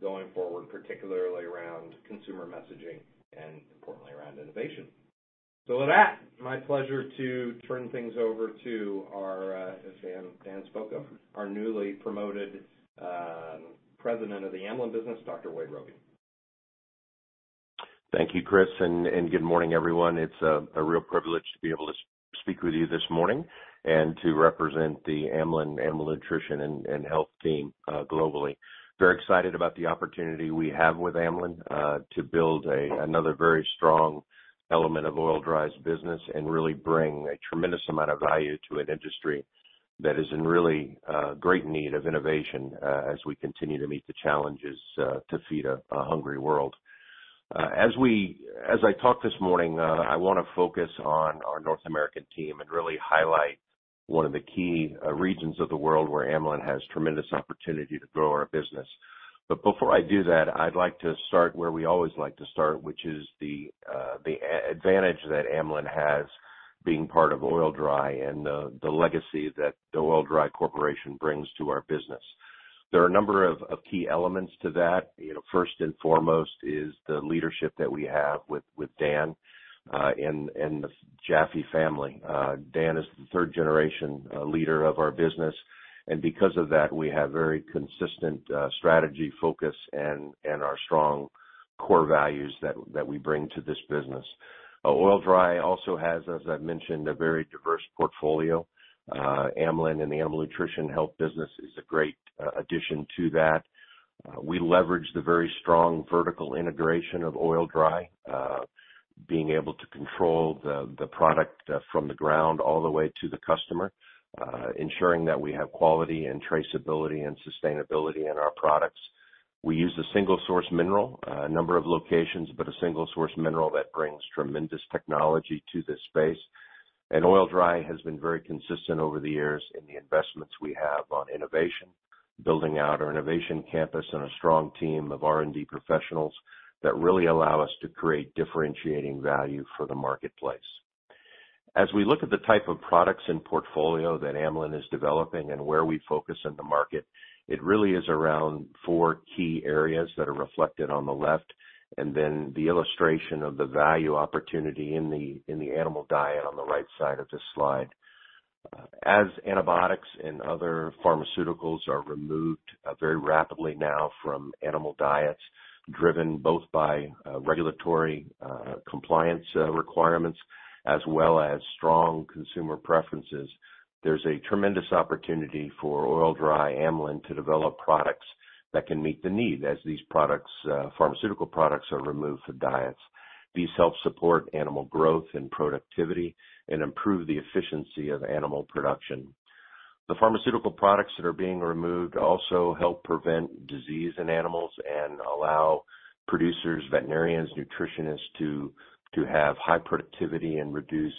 going forward, particularly around consumer messaging and importantly around innovation. With that, my pleasure to turn things over to our, as Dan spoke of, our newly promoted, President of the Amlan business, Dr. Wade Robey. Thank you, Chris, and good morning, everyone. It's a real privilege to be able to speak with you this morning and to represent the Amlan Nutrition and Health team globally. Very excited about the opportunity we have with Amlan to build another very strong element of Oil-Dri's business and really bring a tremendous amount of value to an industry that is in really great need of innovation as we continue to meet the challenges to feed a hungry world. As I talk this morning, I wanna focus on our North American team and really highlight one of the key regions of the world where Amlan has tremendous opportunity to grow our business. Before I do that, I'd like to start where we always like to start, which is the advantage that Amlan has being part of Oil-Dri and the legacy that the Oil-Dri Corporation brings to our business. There are a number of key elements to that. You know, first and foremost is the leadership that we have with Dan and the Jaffee family. Dan is the third generation leader of our business, and because of that, we have very consistent strategy, focus, and our strong core values that we bring to this business. Oil-Dri also has, as I've mentioned, a very diverse portfolio. Amlan and the Animal Nutrition Health business is a great addition to that. We leverage the very strong vertical integration of Oil-Dri, being able to control the product from the ground all the way to the customer, ensuring that we have quality and traceability and sustainability in our products. We use a single source mineral, a number of locations, but a single source mineral that brings tremendous technology to this space. Oil-Dri has been very consistent over the years in the investments we have on innovation, building out our innovation campus and a strong team of R&D professionals that really allow us to create differentiating value for the marketplace. As we look at the type of products and portfolio that Amlan is developing and where we focus in the market, it really is around four key areas that are reflected on the left, and then the illustration of the value opportunity in the, in the animal diet on the right side of this slide. As antibiotics and other pharmaceuticals are removed, very rapidly now from animal diets, driven both by, regulatory, compliance, requirements as well as strong consumer preferences, there's a tremendous opportunity for Oil-Dri, Amlan to develop products that can meet the need as these products, pharmaceutical products are removed from diets. These help support animal growth and productivity and improve the efficiency of animal production. The pharmaceutical products that are being removed also help prevent disease in animals and allow producers, veterinarians, nutritionists to have high productivity and reduce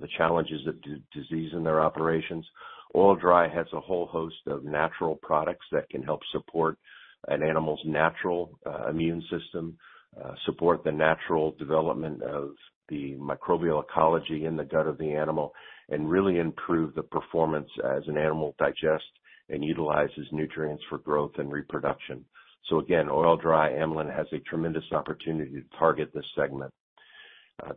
the challenges of disease in their operations. Oil-Dri has a whole host of natural products that can help support an animal's natural immune system, support the natural development of the microbial ecology in the gut of the animal and really improve the performance as an animal digests and utilizes nutrients for growth and reproduction. Again, Oil-Dri Amlan has a tremendous opportunity to target this segment.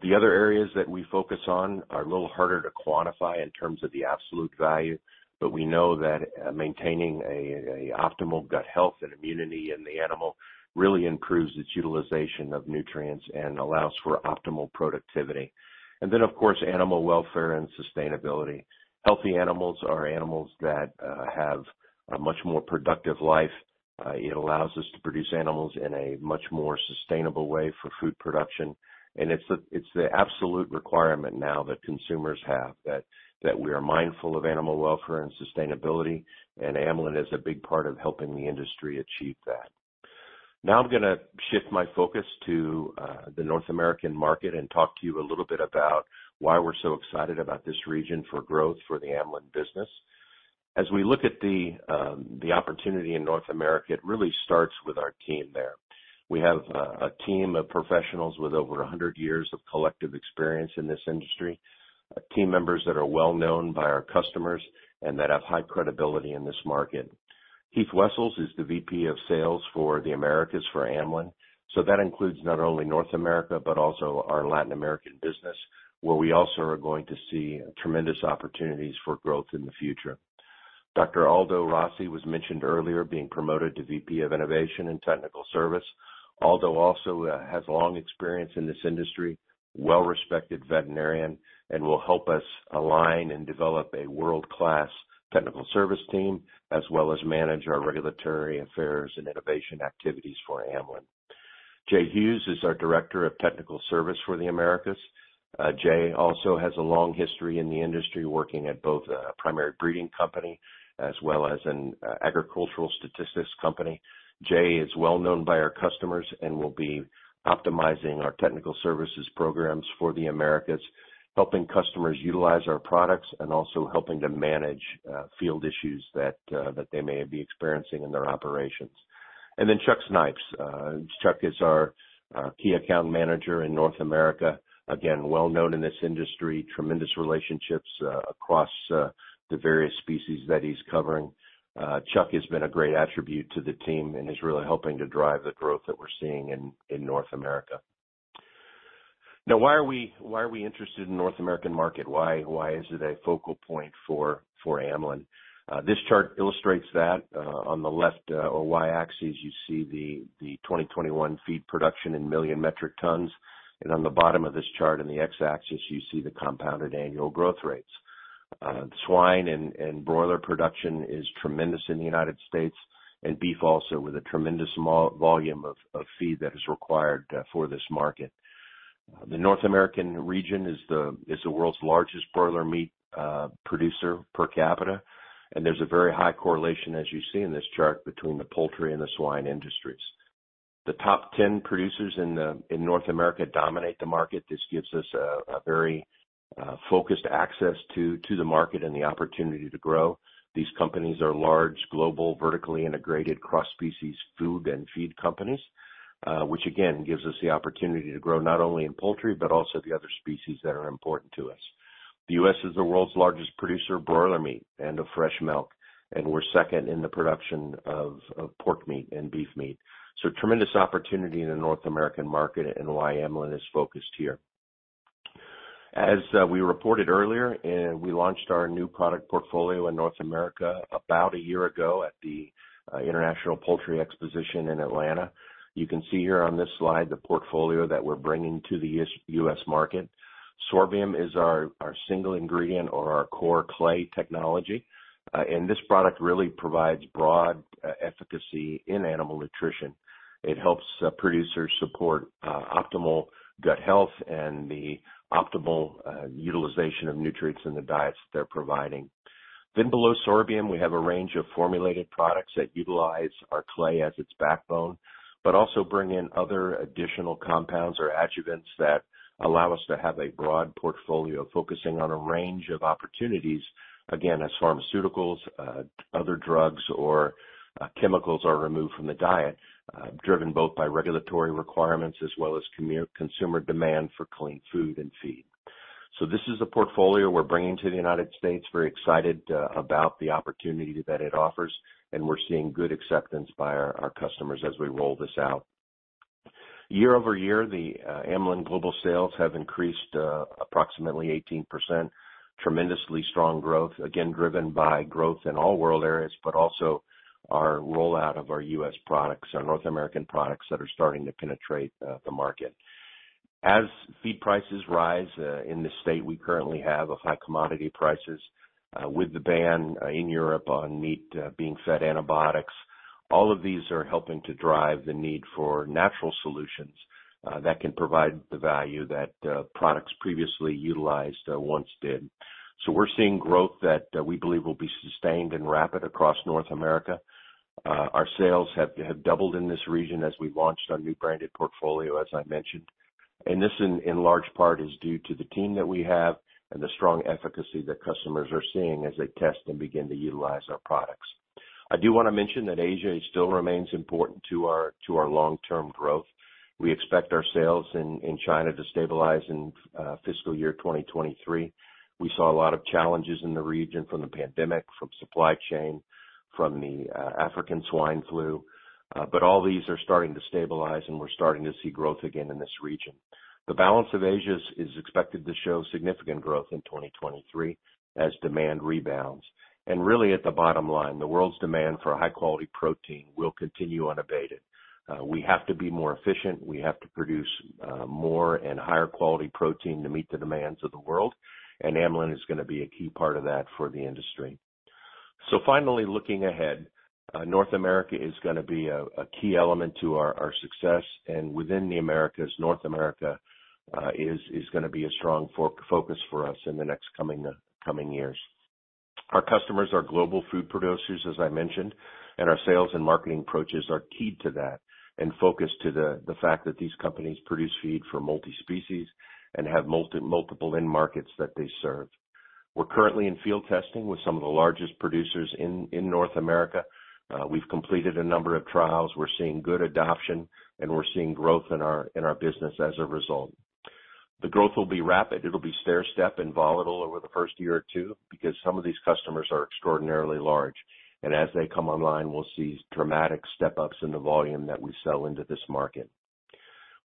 The other areas that we focus on are a little harder to quantify in terms of the absolute value, but we know that maintaining an optimal gut health and immunity in the animal really improves its utilization of nutrients and allows for optimal productivity. Of course, animal welfare and sustainability. Healthy animals are animals that have a much more productive life. It allows us to produce animals in a much more sustainable way for food production. It's the absolute requirement now that consumers have that we are mindful of animal welfare and sustainability, and Amlan is a big part of helping the industry achieve that. I'm gonna shift my focus to the North American market and talk to you a little bit about why we're so excited about this region for growth for the Amlan business. As we look at the opportunity in North America, it really starts with our team there. We have a team of professionals with over 100 years of collective experience in this industry, team members that are well-known by our customers and that have high credibility in this market. Heath Wessels is the VP of Sales for the Americas for Amlan. That includes not only North America, but also our Latin American business, where we also are going to see tremendous opportunities for growth in the future. Dr. Aldo Rossi was mentioned earlier being promoted to VP of Innovation and Technical Services. Aldo also has long experience in this industry, well-respected veterinarian, and will help us align and develop a world-class technical service team, as well as manage our regulatory affairs and innovation activities for Amlan. Jay Hughes is our Director of Technical Service for the Americas. Jay also has a long history in the industry working at both a primary breeding company as well as an agricultural statistics company. Jay is well known by our customers and will be optimizing our technical services programs for the Americas, helping customers utilize our products and also helping to manage field issues that they may be experiencing in their operations. Chuck Snipes. Chuck is our key account manager in North America. Again, well known in this industry, tremendous relationships across the various species that he's covering. Chuck has been a great attribute to the team and is really helping to drive the growth that we're seeing in North America. Why are we interested in North American market? Why is it a focal point for Amlan? This chart illustrates that on the left, or Y-axis, you see the 2021 feed production in million metric tons. On the bottom of this chart, in the X-axis, you see the compounded annual growth rates. Swine and broiler production is tremendous in the United States, and beef also with a tremendous volume of feed that is required for this market. The North American region is the world's largest broiler meat producer per capita. There's a very high correlation, as you see in this chart, between the poultry and the swine industries. The top 10 producers in North America dominate the market. This gives us a very focused access to the market and the opportunity to grow. These companies are large, global, vertically integrated cross-species food and feed companies, which again, gives us the opportunity to grow not only in poultry, but also the other species that are important to us. The U.S. is the world's largest producer of broiler meat and of fresh milk. We're second in the production of pork meat and beef meat. Tremendous opportunity in the North American market and why Amlan is focused here. As we reported earlier and we launched our new product portfolio in North America about a year ago at the International Production & Processing Expo in Atlanta. You can see here on this slide the portfolio that we're bringing to the U.S. market. Sorbent is our single ingredient or our core clay technology. This product really provides broad efficacy in animal nutrition. It helps producers support optimal gut health and the optimal utilization of nutrients in the diets they're providing. Below Sorbent, we have a range of formulated products that utilize our clay as its backbone, but also bring in other additional compounds or adjuvants that allow us to have a broad portfolio focusing on a range of opportunities, again, as pharmaceuticals, other drugs or chemicals are removed from the diet, driven both by regulatory requirements as well as consumer demand for clean food and feed. This is the portfolio we're bringing to the United States. Very excited about the opportunity that it offers, and we're seeing good acceptance by our customers as we roll this out. Year-over-year, the Amlan global sales have increased approximately 18%. Tremendously strong growth, again, driven by growth in all world areas, but also our rollout of our US products, our North American products that are starting to penetrate the market. As feed prices rise, in the state we currently have of high commodity prices, with the ban in Europe on meat, being fed antibiotics, all of these are helping to drive the need for natural solutions, that can provide the value that products previously utilized once did. We're seeing growth that we believe will be sustained and rapid across North America. Our sales have doubled in this region as we launched our new branded portfolio, as I mentioned. This in large part is due to the team that we have and the strong efficacy that customers are seeing as they test and begin to utilize our products. I do wanna mention that Asia still remains important to our long-term growth. We expect our sales in China to stabilize in fiscal year 2023. We saw a lot of challenges in the region from the pandemic, from supply chain, from the African swine flu. All these are starting to stabilize, and we're starting to see growth again in this region. The balance of Asia is expected to show significant growth in 2023 as demand rebounds. Really at the bottom line, the world's demand for high-quality protein will continue unabated. We have to be more efficient. We have to produce more and higher quality protein to meet the demands of the world, and Amlan is gonna be a key part of that for the industry. Finally, looking ahead, North America is gonna be a key element to our success. Within the Americas, North America is gonna be a strong focus for us in the next coming years. Our customers are global food producers, as I mentioned, our sales and marketing approaches are keyed to that and focused to the fact that these companies produce feed for multi-species and have multiple end markets that they serve. We're currently in field testing with some of the largest producers in North America. We've completed a number of trials. We're seeing good adoption, and we're seeing growth in our business as a result. The growth will be rapid. It'll be stairstep and volatile over the first year or two because some of these customers are extraordinarily large. As they come online, we'll see dramatic step-ups in the volume that we sell into this market.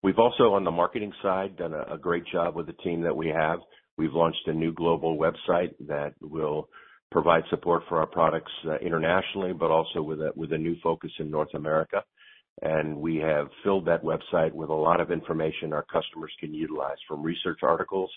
We've also, on the marketing side, done a great job with the team that we have. We've launched a new global website that will provide support for our products internationally, but also with a new focus in North America. We have filled that website with a lot of information our customers can utilize, from research articles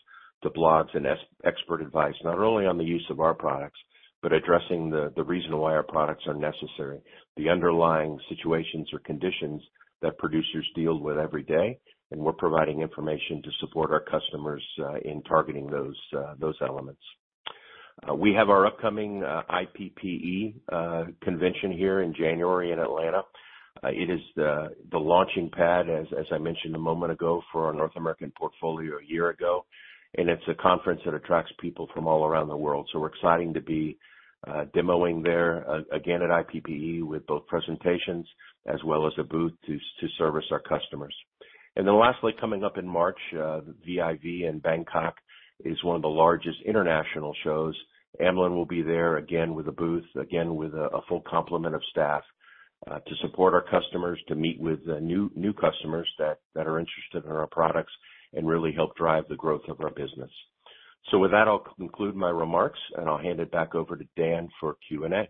to blogs and expert advice, not only on the use of our products, but addressing the reason why our products are necessary, the underlying situations or conditions that producers deal with every day, and we're providing information to support our customers in targeting those elements. We have our upcoming IPPE convention here in January in Atlanta. It is the launching pad, as I mentioned a moment ago, for our North American portfolio a year ago, and it's a conference that attracts people from all around the world. We're exciting to be demoing there again at IPPE with both presentations as well as a booth to service our customers. Lastly, coming up in March, VIV in Bangkok is one of the largest international shows. Amlan will be there again with a booth, again with a full complement of staff to support our customers, to meet with new customers that are interested in our products and really help drive the growth of our business. With that, I'll conclude my remarks, and I'll hand it back over to Dan for Q&A.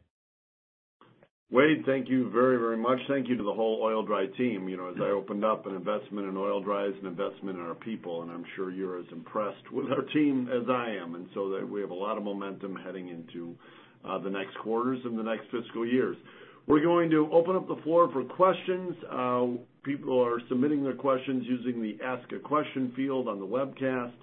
Wade, thank you very, very much. Thank you to the whole Oil-Dri team. You know, as I opened up, an investment in Oil-Dri is an investment in our people, and I'm sure you're as impressed with our team as I am. That we have a lot of momentum heading into the next quarters and the next fiscal years. We're going to open up the floor for questions. People are submitting their questions using the Ask a Question field on the webcast.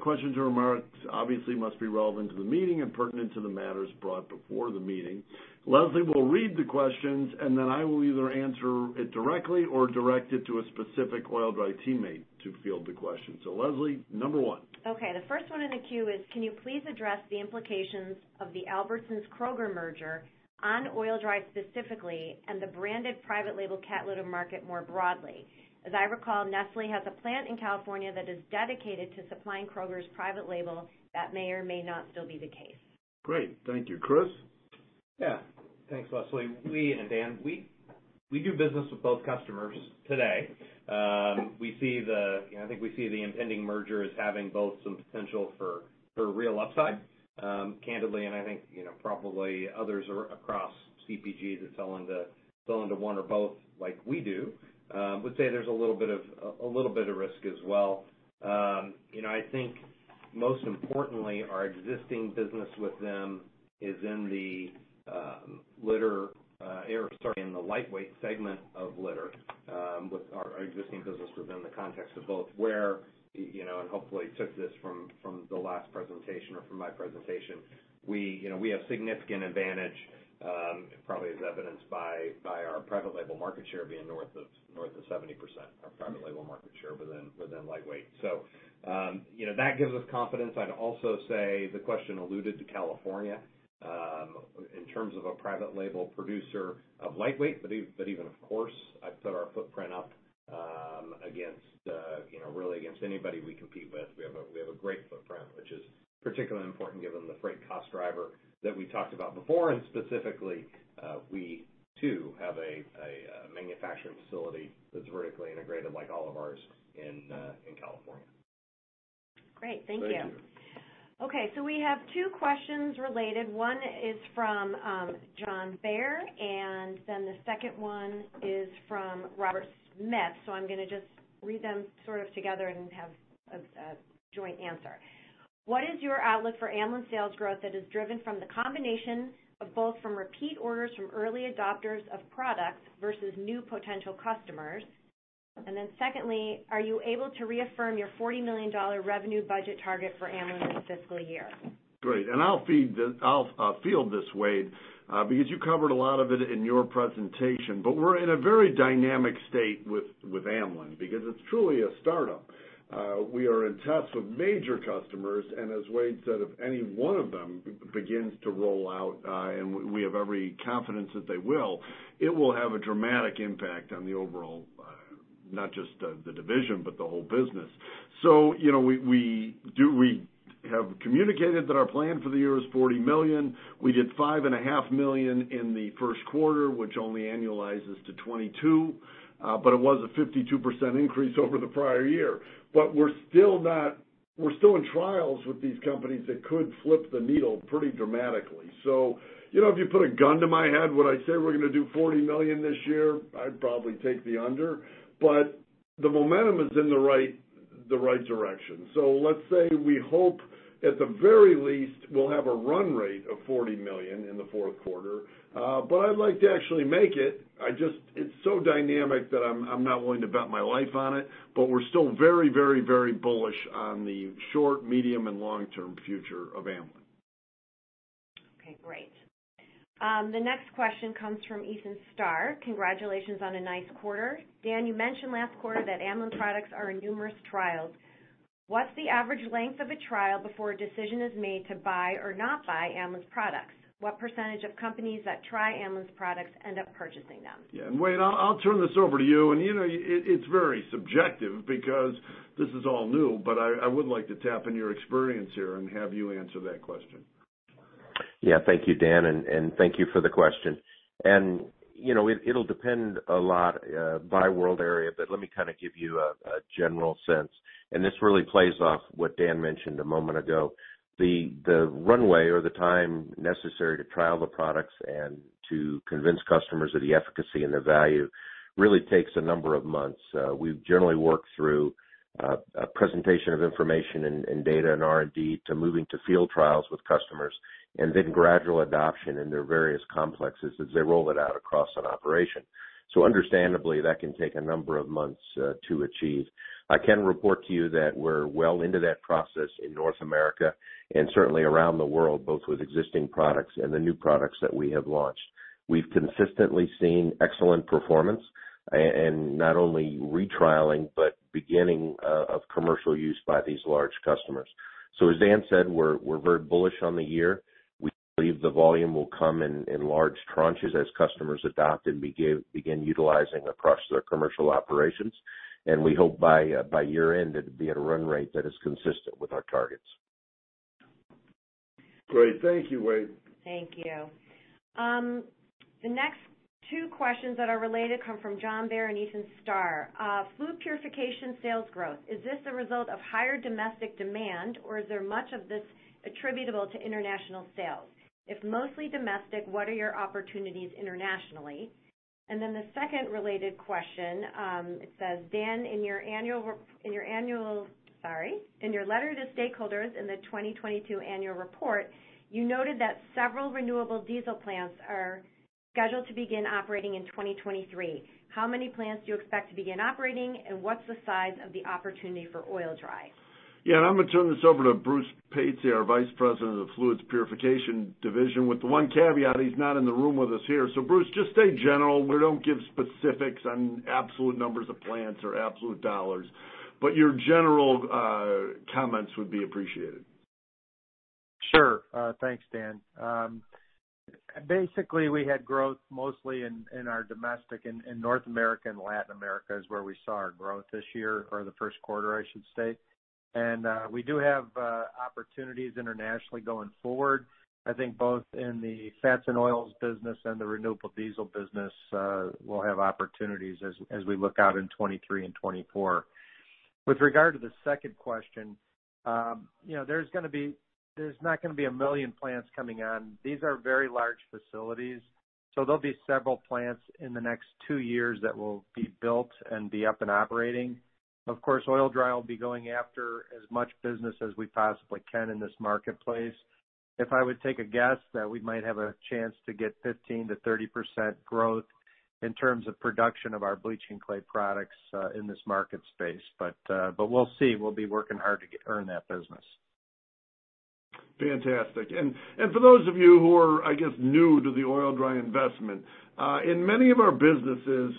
Questions or remarks obviously must be relevant to the meeting and pertinent to the matters brought before the meeting. Leslie will read the questions, and then I will either answer it directly or direct it to a specific Oil-Dri teammate to field the question. Leslie, number one. Okay, the first one in the queue is can you please address the implications of the Albertsons-Kroger merger on Oil-Dri specifically and the branded private label cat litter market more broadly? As I recall, Nestlé has a plant in California that is dedicated to supplying Kroger's private label. That may or may not still be the case. Great. Thank you. Chris? Yeah. Thanks, Leslie. Dan, we do business with both customers today. I think we see the impending merger as having both some potential for real upside, candidly, and I think, you know, probably others are across CPG that sell into one or both like we do, would say there's a little bit of risk as well. You know, I think most importantly, our existing business with them is in the litter, or sorry, in the lightweight segment of litter, with our existing business within the context of both where, you know, and hopefully took this from the last presentation or from my presentation. We, you know, we have significant advantage, probably as evidenced by our private label market share being north of 70%, our private label market share within lightweight. You know, that gives us confidence. I'd also say the question alluded to California, in terms of a private label producer of lightweight, but even of course, I'd set our footprint up, against, you know, really against anybody we compete with. We have a great footprint, which is particularly important given the freight cost driver that we talked about before. Specifically, we too have a manufacturing facility that's vertically integrated like all of ours in California. Great. Thank you. Thank you. We have two questions related. One is from John Bair, and then the second one is from Robert Smith. I'm gonna just read them sort of together and have a joint answer. What is your outlook for Amlan sales growth that is driven from the combination of both from repeat orders from early adopters of products versus new potential customers? Secondly, are you able to reaffirm your $40 million revenue budget target for Amlan this fiscal year? Great. I'll field this, Wade, because you covered a lot of it in your presentation, but we're in a very dynamic state with Amlan because it's truly a startup. We are in tests with major customers, and as Wade said, if any one of them begins to roll out, and we have every confidence that they will, it will have a dramatic impact on the overall, not just the division, but the whole business. You know, we have communicated that our plan for the year is $40 million. We did $5.5 million in the Q1, which only annualizes to $22 million, but it was a 52% increase over the prior year. We're still in trials with these companies that could flip the needle pretty dramatically. You know, if you put a gun to my head, would I say we're gonna do $40 million this year? I'd probably take the under. The momentum is in the right direction. Let's say we hope at the very least, we'll have a run rate of $40 million in the Q4, but I'd like to actually make it. It's so dynamic that I'm not willing to bet my life on it, but we're still very, very, very bullish on the short, medium, and long-term future of Amlan. Okay, great. The next question comes from Ethan Starr. Congratulations on a nice quarter. Dan, you mentioned last quarter that Amlan products are in numerous trials. What's the average length of a trial before a decision is made to buy or not buy Amlan's products? What % of companies that try Amlan's products end up purchasing them? Yeah. Wade, I'll turn this over to you. You know, it's very subjective because this is all new, but I would like to tap into your experience here and have you answer that question. Yeah. Thank you, Dan, and thank you for the question. You know, it'll depend a lot by world area, but let me kinda give you a general sense, and this really plays off what Dan mentioned a moment ago. The runway or the time necessary to trial the products and to convince customers of the efficacy and the value really takes a number of months. We've generally worked through a presentation of information and data and R&D to moving to field trials with customers and then gradual adoption in their various complexes as they roll it out across an operation. Understandably, that can take a number of months to achieve. I can report to you that we're well into that process in North America and certainly around the world, both with existing products and the new products that we have launched. We've consistently seen excellent performance and not only re-trialing, but beginning of commercial use by these large customers. As Dan said, we're very bullish on the year. We believe the volume will come in large tranches as customers adopt and begin utilizing across their commercial operations. We hope by year-end it'll be at a run rate that is consistent with our targets. Great. Thank you, Wade. Thank you. The next two questions that are related come from John Bair and Ethan Starr, fluids purification sales growth. Is this a result of higher domestic demand, or is there much of this attributable to international sales? If mostly domestic, what are your opportunities internationally? The second related question, it says, Dan, in your annual letter to stakeholders in the 2022 annual report, you noted that several renewable diesel plants are scheduled to begin operating in 2023. How many plants do you expect to begin operating, and what's the size of the opportunity for Oil-Dri? I'm gonna turn this over to Bruce Patsey, our Vice President of the Fluids Purification Division, with the one caveat, he's not in the room with us here. Bruce, just stay general. We don't give specifics on absolute numbers of plants or absolute dollars, but your general comments would be appreciated. Sure. Thanks, Dan. Basically, we had growth mostly in our domestic. In North America and Latin America is where we saw our growth this year or the Q1, I should state. We do have opportunities internationally going forward. I think both in the fats and oils business and the renewable diesel business, we'll have opportunities as we look out in 2023 and 2024. With regard to the second question, you know, there's not gonna be 1 million plants coming on. These are very large facilities, there'll be several plants in the next two years that will be built and be up and operating. Of course, Oil-Dri will be going after as much business as we possibly can in this marketplace. If I would take a guess that we might have a chance to get 15%-30% growth in terms of production of our bleaching clay products in this market space. We'll see. We'll be working hard to earn that business. Fantastic. For those of you who are, I guess, new to the Oil-Dri investment, in many of our businesses,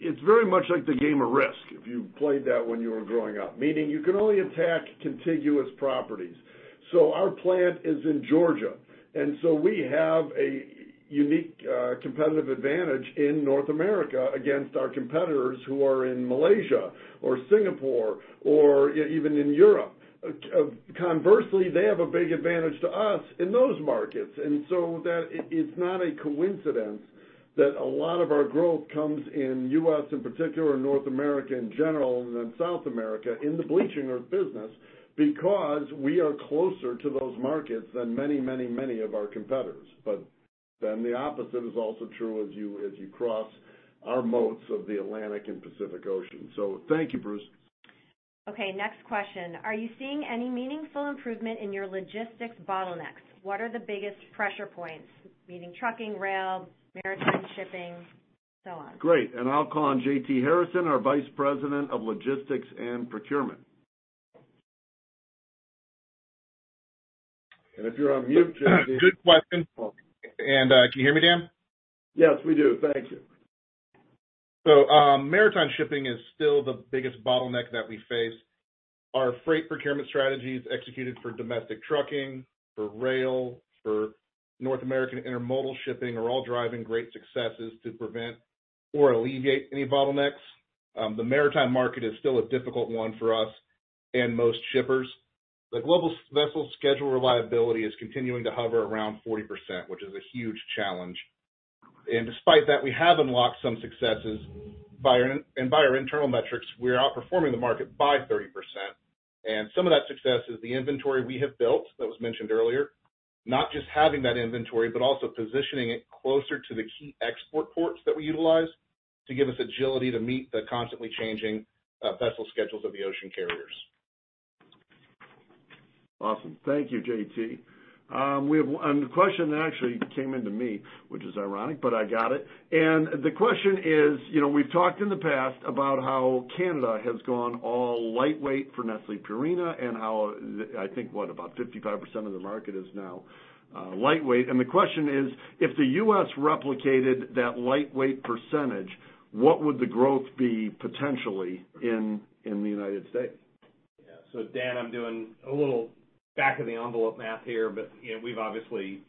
it's very much like the game of Risk, if you played that when you were growing up, meaning you can only attack contiguous properties. Our plant is in Georgia, we have a unique, competitive advantage in North America against our competitors who are in Malaysia or Singapore or even in Europe. Conversely, they have a big advantage to us in those markets. That it's not a coincidence that a lot of our growth comes in U.S., in particular, North America in general, then South America in the bleaching earth business because we are closer to those markets than many of our competitors. The opposite is also true as you cross our moats of the Atlantic and Pacific Ocean. Thank you, Bruce. Okay. Next question: Are you seeing any meaningful improvement in your logistics bottlenecks? What are the biggest pressure points, meaning trucking, rail, maritime shipping, so on? Great. I'll call on J.T. Harrison, our Vice President of Logistics & Procurement. If you're on mute, JT. Good question. Can you hear me, Dan? Yes, we do. Thank you. Maritime shipping is still the biggest bottleneck that we face. Our freight procurement strategies executed for domestic trucking, for rail, for North American intermodal shipping are all driving great successes to prevent or alleviate any bottlenecks. The maritime market is still a difficult one for us and most shippers. The global vessel schedule reliability is continuing to hover around 40%, which is a huge challenge. Despite that, we have unlocked some successes via and via our internal metrics, we're outperforming the market by 30%. Some of that success is the inventory we have built that was mentioned earlier, not just having that inventory, but also positioning it closer to the key export ports that we utilize to give us agility to meet the constantly changing vessel schedules of the ocean carriers. Awesome. Thank you, J.T. We have, and the question actually came in to me, which is ironic, but I got it. The question is, you know, we've talked in the past about how Canada has gone all lightweight for Nestlé Purina and how the, I think, what, about 55% of the market is now lightweight. The question is: If the U.S. replicated that lightweight percentage, what would the growth be potentially in the United States? Dan, I'm doing a little back of the envelope math here, but, you know, we've obviously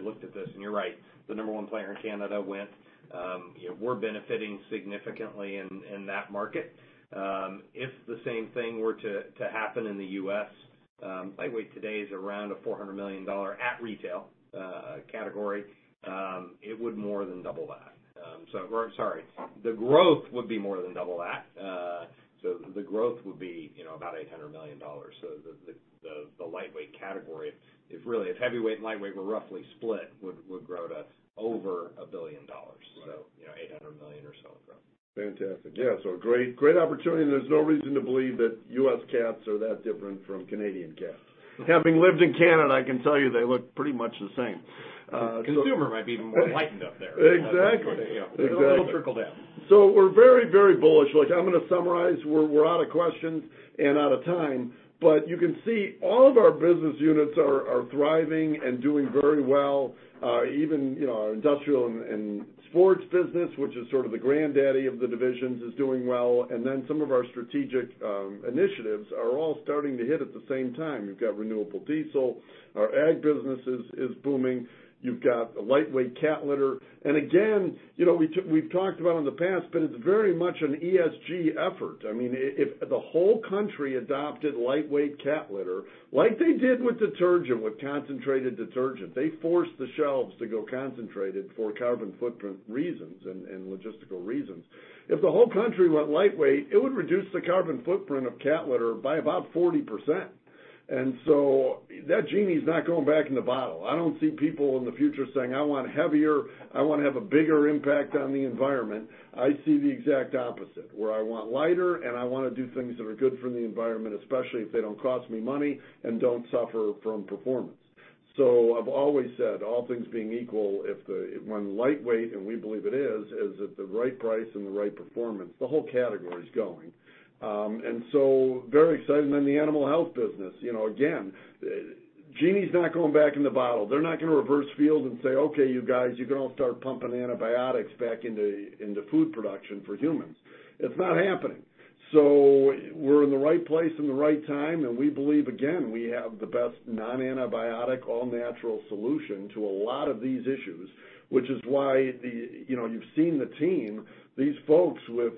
looked at this, you're right. The number one player in Canada went. You know, we're benefiting significantly in that market. If the same thing were to happen in the U.S., lightweight today is around a $400 million at retail category. It would more than double that or I'm sorry. The growth would be more than double that. The growth would be, you know, about $800 million. The lightweight category, if really, if heavyweight and lightweight were roughly split, would grow to over $1 billion. Right. You know, $800 million or so in growth. Fantastic. Yeah, so great opportunity, and there's no reason to believe that US cats are that different from Canadian cats. Having lived in Canada, I can tell you they look pretty much the same. Consumer might be even more lightened up there. Exactly. You know? Exactly. It'll trickle down. We're very, very bullish. Look, I'm going to summarize. We're out of questions and out of time, but you can see all of our business units are thriving and doing very well. Even, you know, our industrial and sports business, which is sort of the granddaddy of the divisions, is doing well. Some of our strategic initiatives are all starting to hit at the same time. You've got renewable diesel. Our ag business is booming. You've got the lightweight cat litter. Again, you know, we've talked about in the past, but it's very much an ESG effort. I mean, if the whole country adopted lightweight cat litter like they did with detergent, with concentrated detergent, they forced the shelves to go concentrated for carbon footprint reasons and logistical reasons. If the whole country went lightweight, it would reduce the carbon footprint of cat litter by about 40%. That genie is not going back in the bottle. I don't see people in the future saying, "I want heavier. I wanna have a bigger impact on the environment." I see the exact opposite, where I want lighter, and I wanna do things that are good for the environment, especially if they don't cost me money and don't suffer from performance. I've always said, all things being equal, if the when lightweight, and we believe it is at the right price and the right performance, the whole category is going. Very exciting. The animal health business. You know, again, genie's not going back in the bottle. They're not gonna reverse field and say, "Okay, you guys, you can all start pumping antibiotics back into food production for humans." It's not happening. We're in the right place and the right time, and we believe, again, we have the best non-antibiotic, all-natural solution to a lot of these issues, which is why. You know, you've seen the team. These folks with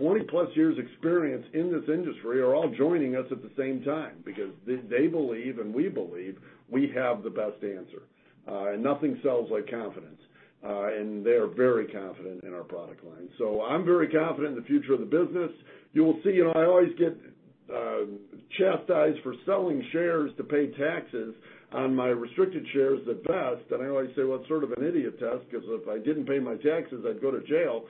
20+ years experience in this industry are all joining us at the same time because they believe, and we believe, we have the best answer. Nothing sells like confidence. They are very confident in our product line. I'm very confident in the future of the business. You will see, and I always get chastised for selling shares to pay taxes on my restricted shares that vest. I always say, "Well, it's sort of an idiot test, because if I didn't pay my taxes, I'd go to jail."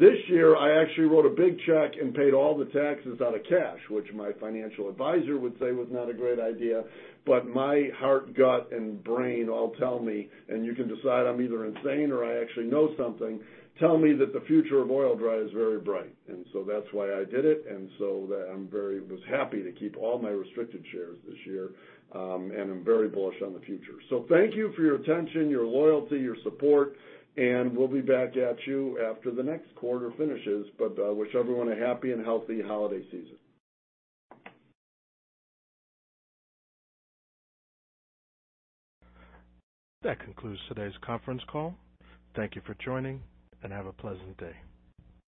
This year, I actually wrote a big check and paid all the taxes out of cash, which my financial advisor would say was not a great idea. My heart, gut, and brain all tell me, and you can decide I'm either insane or I actually know something, tell me that the future of Oil-Dri is very bright. That's why I did it. I was happy to keep all my restricted shares this year, and I'm very bullish on the future. Thank you for your attention, your loyalty, your support, and we'll be back at you after the next quarter finishes. Wish everyone a happy and healthy holiday season. That concludes today's conference call. Thank you for joining, and have a pleasant day.